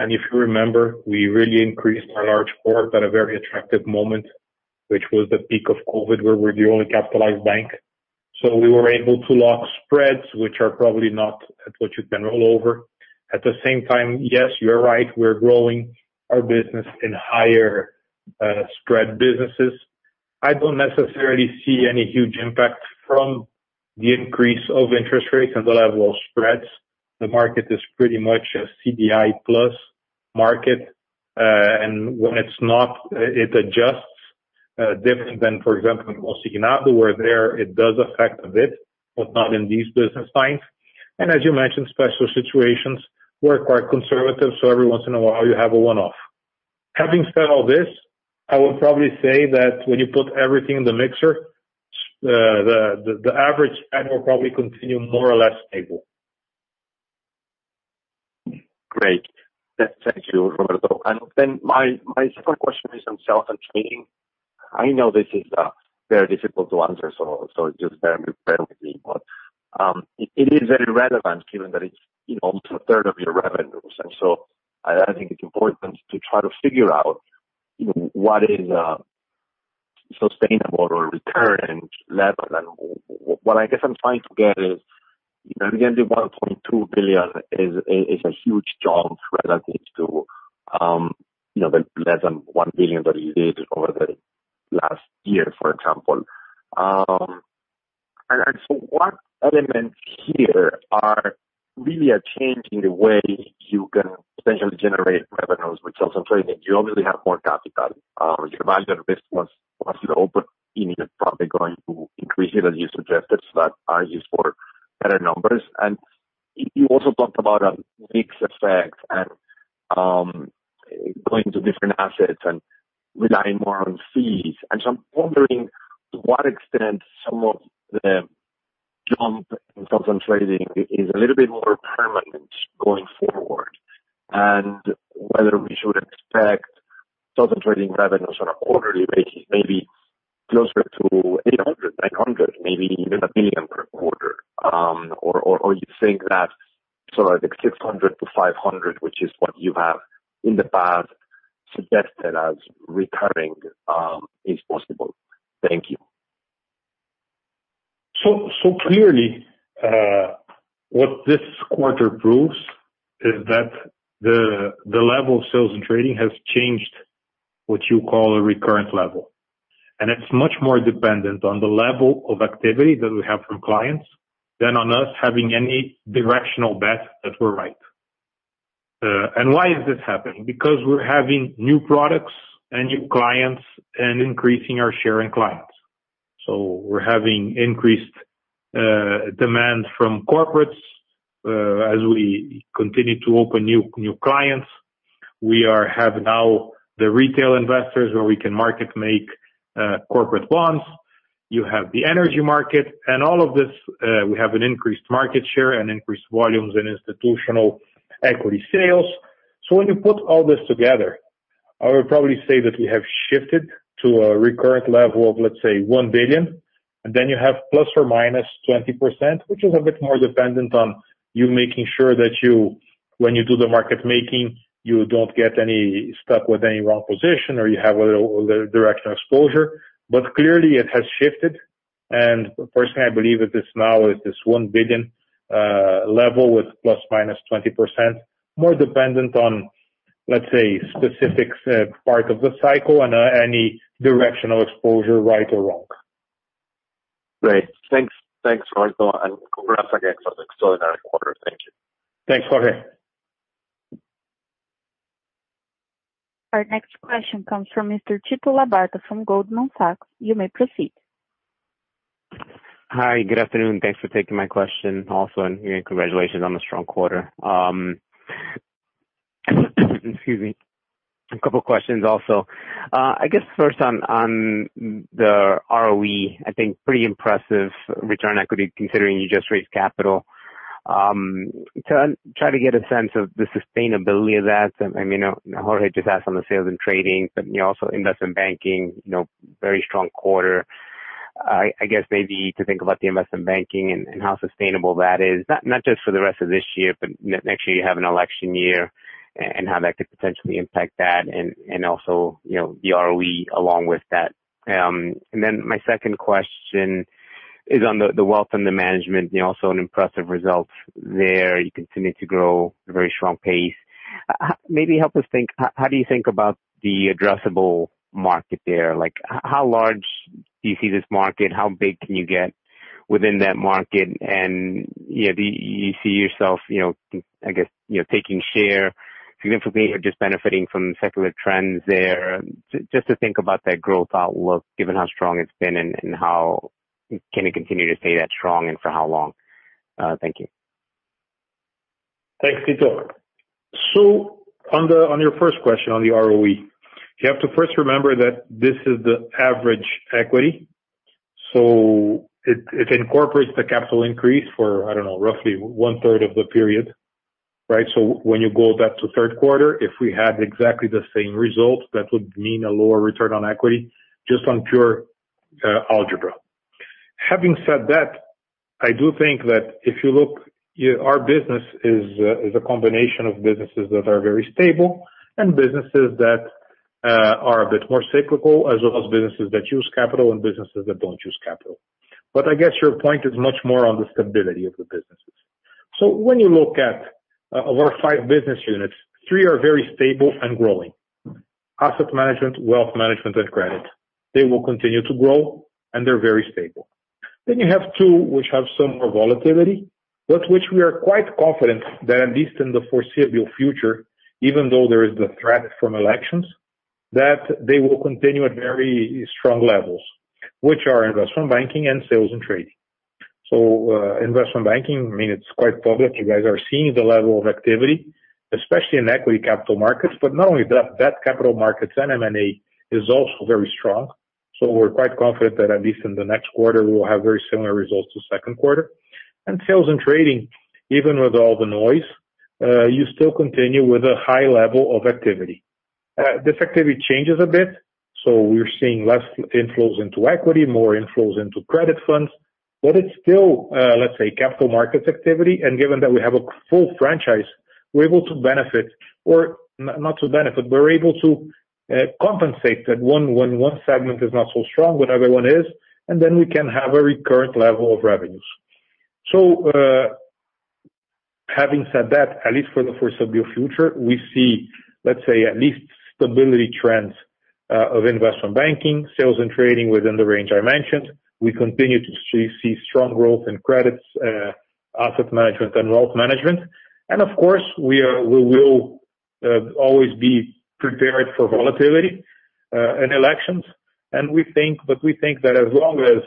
If you remember, we really increased our large corp at a very attractive moment, which was the peak of COVID, where we're the only capitalized bank. We were able to lock spreads, which are probably not at what you can roll over. At the same time, yes, you're right, we're growing our business in higher spread businesses. I don't necessarily see any huge impact from the increase of interest rates and the level of spreads. The market is pretty much a CDI plus market. When it's not, it adjusts different than, for example, in where there it does affect a bit, but not in these business lines. As you mentioned, special situations, we're quite conservative, so every once in a while you have a one-off. Having said all this, I would probably say that when you put everything in the mixer, the average ROE will probably continue more or less stable. Great. Thank you, Roberto. My second question is on sales and trading. I know this is very difficult to answer, so just bear with me. It is very relevant given that it's almost a third of your revenues. I think it's important to try to figure out what is a sustainable return level. What I guess I'm trying to get is, the 1.2 billion is a huge jump relative to the less than 1 billion that you did over the last year, for example. What elements here are really a change in the way you can potentially generate revenues with sales and trading? You obviously have more capital. Your VaR once you operate in it probably going to increase it, as you suggested, so that are used for better numbers. You also talked about a mix effect and going to different assets and relying more on fees. I'm wondering to what extent some of the jump in sales and trading is a little bit more permanent going forward, and whether we should expect sales and trading revenues on a quarterly basis may be closer to 800, 900, maybe even 1 billion per quarter. You think that sort of the 600 to 500, which is what you have in the past suggested as recurring, is possible. Thank you. Clearly, what this quarter proves is that the level of sales and trading has changed what you call a recurrent level. It's much more dependent on the level of activity that we have from clients than on us having any directional bet that we're right. Why is this happening? We're having new products and new clients and increasing our share in clients. We're having increased demand from corporates as we continue to open new clients. We have now the retail investors where we can market make corporate bonds. You have the energy market. All of this, we have an increased market share and increased volumes in institutional equity sales. When you put all this together, I would probably say that we have shifted to a recurrent level of, let's say, 1 billion. You have ±20%, which is a bit more dependent on you making sure that when you do the market making, you don't get stuck with any wrong position, or you have a little directional exposure. Clearly it has shifted, and personally, I believe that this now is this 1 billion level with ±20%, more dependent on, let's say, specific part of the cycle and any directional exposure, right or wrong. Great. Thanks, Roberto Sallouti. Congrats again for the extraordinary quarter. Thank you. Thanks, Jorge. Our next question comes from Mr. Tito Labarta from Goldman Sachs. You may proceed. Hi. Good afternoon. Thanks for taking my question also, and congratulations on the strong quarter. Excuse me. A couple questions also. I guess first on the ROE, I think pretty impressive return equity considering you just raised capital. To try to get a sense of the sustainability of that, I mean, Jorge Kuri just asked on the sales and trading, but you also invest in banking, very strong quarter. I guess maybe to think about the investment banking and how sustainable that is. Not just for the rest of this year, but next year you have an election year, and how that could potentially impact that and also the ROE along with that. My second question is on the wealth and the management, also an impressive result there. You continue to grow at a very strong pace. Maybe help us think, how do you think about the addressable market there? How large do you see this market? How big can you get within that market? Do you see yourself, I guess, taking share significantly or just benefiting from secular trends there? Just to think about that growth outlook, given how strong it's been, how can it continue to stay that strong, and for how long? Thank you. Thanks, Tito. On your first question on the ROE, you have to first remember that this is the average equity, so it incorporates the capital increase for, I don't know, roughly 1/3 of the period. Right? When you go back to the third quarter, if we had exactly the same results, that would mean a lower return on equity, just on pure algebra. Having said that, I do think that if you look, our business is a combination of businesses that are very stable and businesses that are a bit more cyclical, as well as businesses that use capital and businesses that don't use capital. I guess your point is much more on the stability of the businesses. When you look at our five business units, three are very stable and growing: asset management, wealth management, and credit. They will continue to grow, they're very stable. You have two which have some more volatility, but which we are quite confident that at least in the foreseeable future, even though there is the threat from elections, that they will continue at very strong levels, which are investment banking and sales and trading. Investment banking, I mean, it's quite public. You guys are seeing the level of activity, especially in equity capital markets. Not only that, capital markets and M&A is also very strong. We're quite confident that at least in the next quarter, we will have very similar results to the second quarter. Sales and trading, even with all the noise, you still continue with a high level of activity. This activity changes a bit. We're seeing less inflows into equity, more inflows into credit funds, but it's still, let's say, capital markets activity. Given that we have a full franchise, we're able to compensate that when one segment is not so strong, but other one is, and then we can have a recurrent level of revenues. Having said that, at least for the foreseeable future, we see, let's say, at least stability trends of investment banking, sales and trading within the range I mentioned. We continue to see strong growth in credits, asset management, and wealth management. Of course, we will always be prepared for volatility in elections. We think that as long as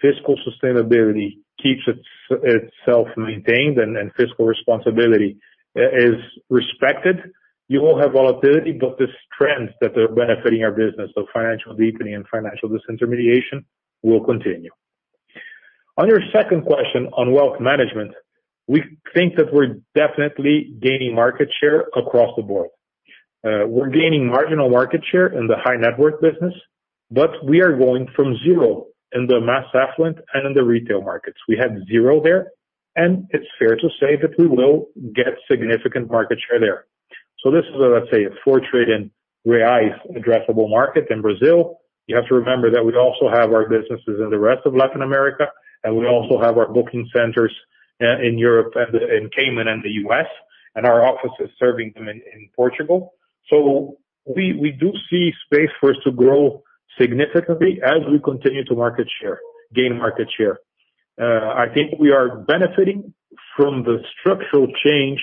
fiscal sustainability keeps itself maintained and fiscal responsibility is respected, you will have volatility, but these trends that are benefiting our business of financial deepening and financial disintermediation will continue. On your second question on wealth management, we think that we're definitely gaining market share across the board. We're gaining marginal market share in the high-net-worth business, but we are going from zero in the mass affluent and in the retail markets. We had zero there, and it's fair to say that we will get significant market share there. This is, let's say, a 4 trillion reais addressable market in Brazil. You have to remember that we also have our businesses in the rest of Latin America, and we also have our booking centers in Europe and Cayman and the U.S., and our offices serving them in Portugal. We do see space for us to grow significantly as we continue to gain market share. I think we are benefiting from the structural change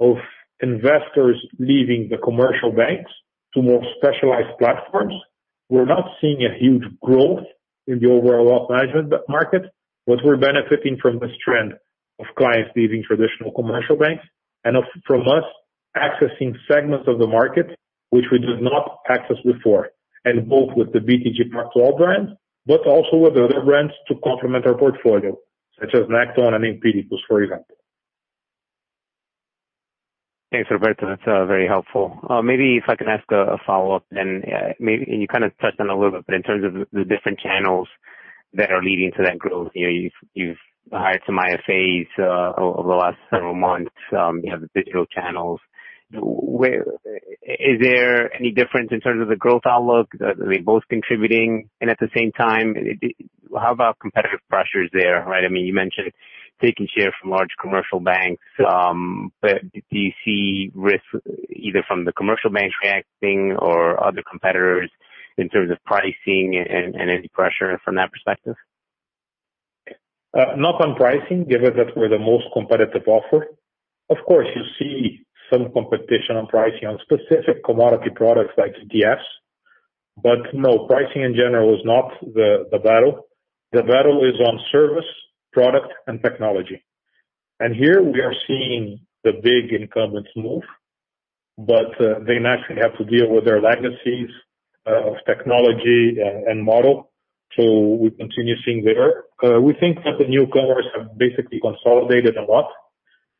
of investors leaving the commercial banks to more specialized platforms. We're not seeing a huge growth in the overall wealth management market, but we're benefiting from this trend of clients leaving traditional commercial banks and from us accessing segments of the market, which we did not access before. Both with the BTG Pactual brand, but also with other brands to complement our portfolio, such as Necton and Empiricus, for example. Thanks, Roberto. That's very helpful. Maybe if I can ask a follow-up. You kind of touched on it a little bit, but in terms of the different channels that are leading to that growth, you've hired some IFAs over the last several months. You have the digital channels. Is there any difference in terms of the growth outlook? Are they both contributing? At the same time, how about competitive pressures there, right? You mentioned taking share from large commercial banks. Do you see risks either from the commercial banks reacting or other competitors in terms of pricing and any pressure from that perspective? Not on pricing, given that we're the most competitive offer. Of course, you see some competition on pricing on specific commodity products like ETFs. No, pricing in general is not the battle. The battle is on service, product, and technology. Here we are seeing the big incumbents move, but they naturally have to deal with their legacies of technology and model. We continue seeing there. We think that the newcomers have basically consolidated a lot,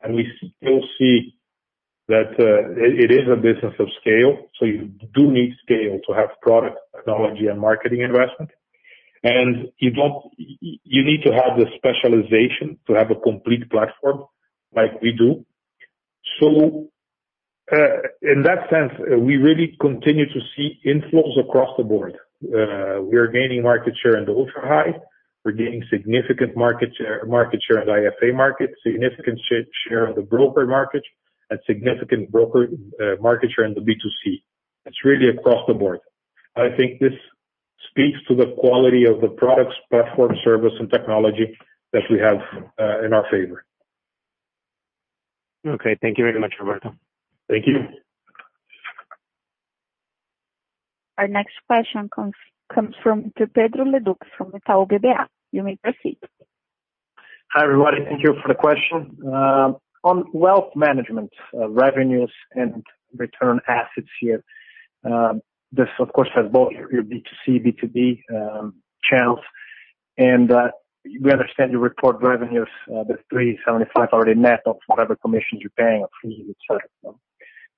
and we still see that it is a business of scale. You do need scale to have product technology and marketing investment. You need to have the specialization to have a complete platform like we do. In that sense, we really continue to see inflows across the board. We are gaining market share in the ultra-high. We're gaining significant market share at IFA market, significant share of the broker market, and significant broker market share in the B2C. It's really across the board. I think this speaks to the quality of the products, platform, service, and technology that we have in our favor. Okay. Thank you very much, Roberto. Thank you. Our next question comes from Pedro Leduc from Itaú BBA. You may proceed. Hi, everybody. Thank you for the question. On wealth management revenues and return assets here, this of course has both your B2C, B2B channels. We understand you report revenues, the 375 already net of whatever commissions you're paying or fees, et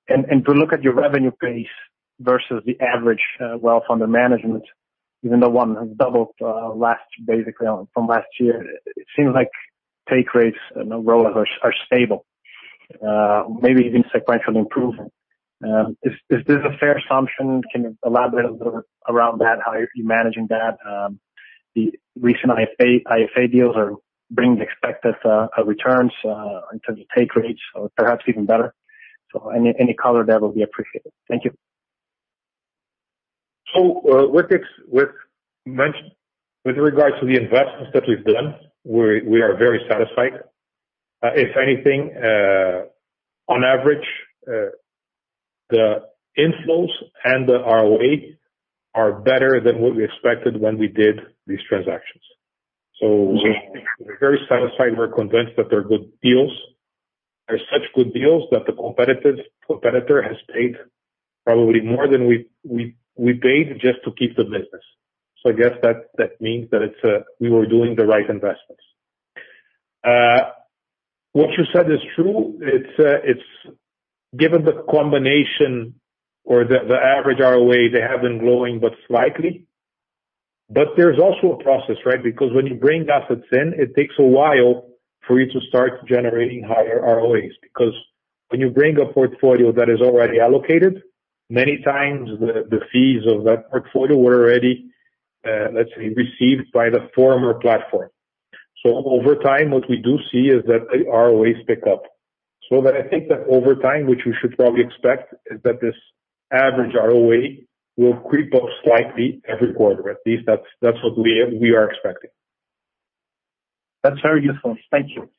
cetera. To look at your revenue pace versus the average wealth under management, even though one has doubled basically from last year, it seems like take rates and the ROAs are stable, maybe even sequential improvement. Is this a fair assumption? Can you elaborate a little bit around that, how you're managing that? The recent IFA deals are bringing expected returns in terms of take rates or perhaps even better. Any color there will be appreciated. Thank you. With regards to the investments that we've done, we are very satisfied. If anything, on average, the inflows and the ROA are better than what we expected when we did these transactions. We're very satisfied. We're convinced that they're good deals. They're such good deals that the competitor has paid probably more than we paid just to keep the business. I guess that means that we were doing the right investments. What you said is true. Given the combination or the average ROA, they have been growing, but slightly. There's also a process, right? When you bring assets in, it takes a while for you to start generating higher ROAs. When you bring a portfolio that is already allocated, many times the fees of that portfolio were already, let's say, received by the former platform. Over time, what we do see is that the ROAs pick up. That I think that over time, which we should probably expect, is that this average ROA will creep up slightly every quarter. At least that's what we are expecting. That's very useful. Thank you.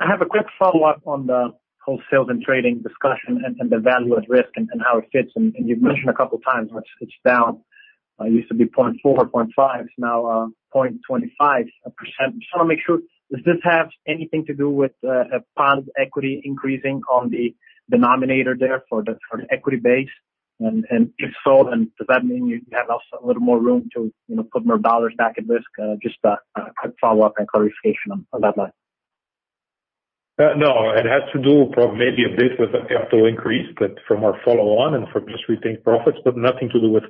I have a quick follow-up on the whole sales and trading discussion and the Value at Risk and how it fits in. You've mentioned a couple of times it's down. It used to be 0.4%, 0.5%. It's now 0.25%. Just want to make sure, does this have anything to do with a fund equity increasing on the denominator there for the equity base? If so, does that mean you have also a little more room to put more dollars back at risk? Just a quick follow-up and clarification on that one. No, it has to do probably, maybe a bit with the capital increase, but from our follow-on and from just retained profits, but nothing to do with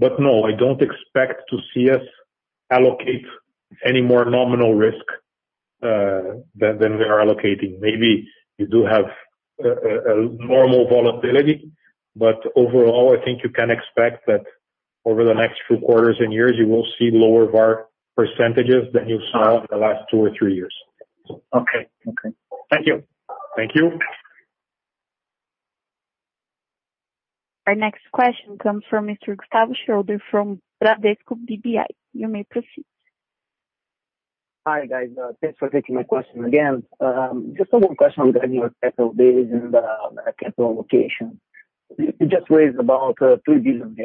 fund. I don't expect to see us allocate any more nominal risk than we are allocating. Maybe you do have a normal volatility. Overall, I think you can expect that over the next few quarters and years, you will see lower VaR percentages than you saw over the last two or three years. Okay. Thank you. Thank you. Our next question comes from Mr. Gustavo Schroden from Bradesco BBI. You may proceed. Hi, guys. Thanks for taking my question again. Just a quick question on the annual capital base and capital allocation. You just raised about 3 billion,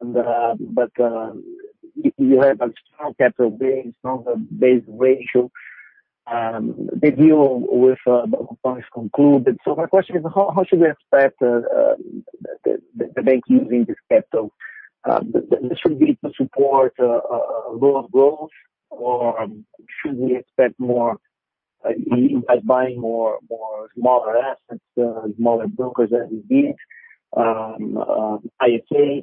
but you have a strong capital base, strong BIS ratio. The deal with Banco Pan was concluded. My question is, how should we expect The bank using this capital, this will be to support a lot of growth, or should we expect more by buying more smaller assets, smaller brokers as it is, IFA.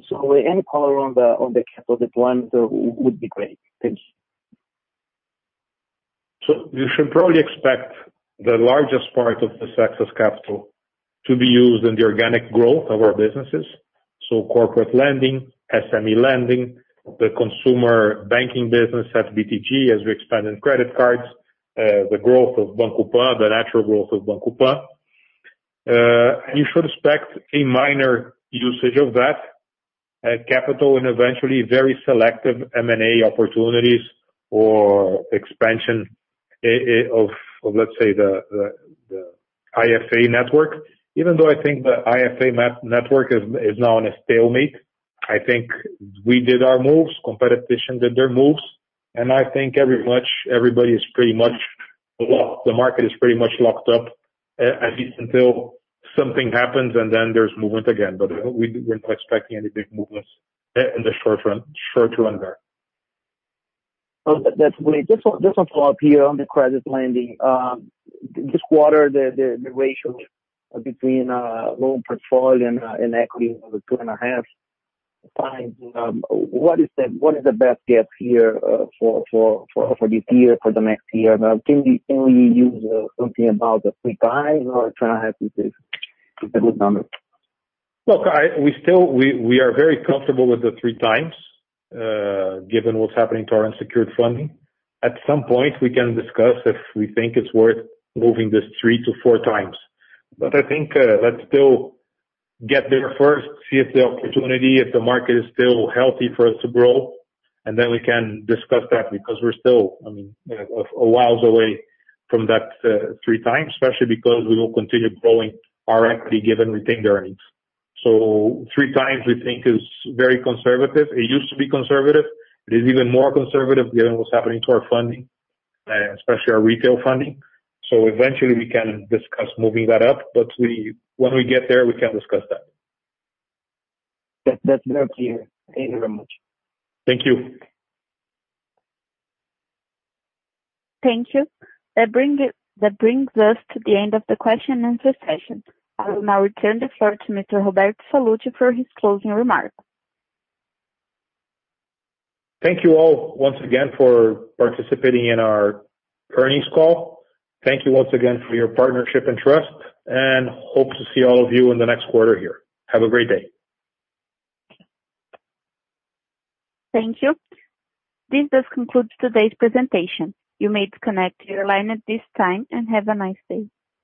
Any color on the capital, that one would be great. Thanks. You should probably expect the largest part of the success capital to be used in the organic growth of our businesses. Corporate lending, SME lending, the consumer banking business at BTG, as we expand in credit cards, the growth of Banco Pan, the natural growth of Banco Pan. You should expect a minor usage of that capital and eventually very selective M&A opportunities or expansion of, let's say, the IFA network, even though I think the IFA network is now in a stalemate. I think we did our moves, competition did their moves, and I think everybody is pretty much blocked. The market is pretty much locked up, at least until something happens, and then there's movement again. We're not expecting any big movements in the short term there. That's great. Just one follow-up here on the credit lending. This quarter, the ratio between loan portfolio and equity was two and a half times. What is the best guess here for this year, for the next year? Can we use something about the three times or trying to have this as a good number? We are very comfortable with the three times, given what's happening to our unsecured funding. At some point, we can discuss if we think it's worth moving this three to four times. I think let's still get there first, see if the opportunity, if the market is still healthy for us to grow, and then we can discuss that because we're still a while away from that three times, especially because we will continue growing our equity given retained earnings. Three times we think is very conservative. It used to be conservative. It is even more conservative given what's happening to our funding, especially our retail funding. Eventually we can discuss moving that up, when we get there, we can discuss that. That's very clear. Thank you very much. Thank you. Thank you. That brings us to the end of the question and answer session. I will now return the floor to Mr. Roberto Sallouti for his closing remarks. Thank you all once again for participating in our earnings call. Thank you once again for your partnership and trust, and hope to see all of you in the next quarter here. Have a great day. Thank you. This does conclude today's presentation. You may disconnect your line at this time, and have a nice day.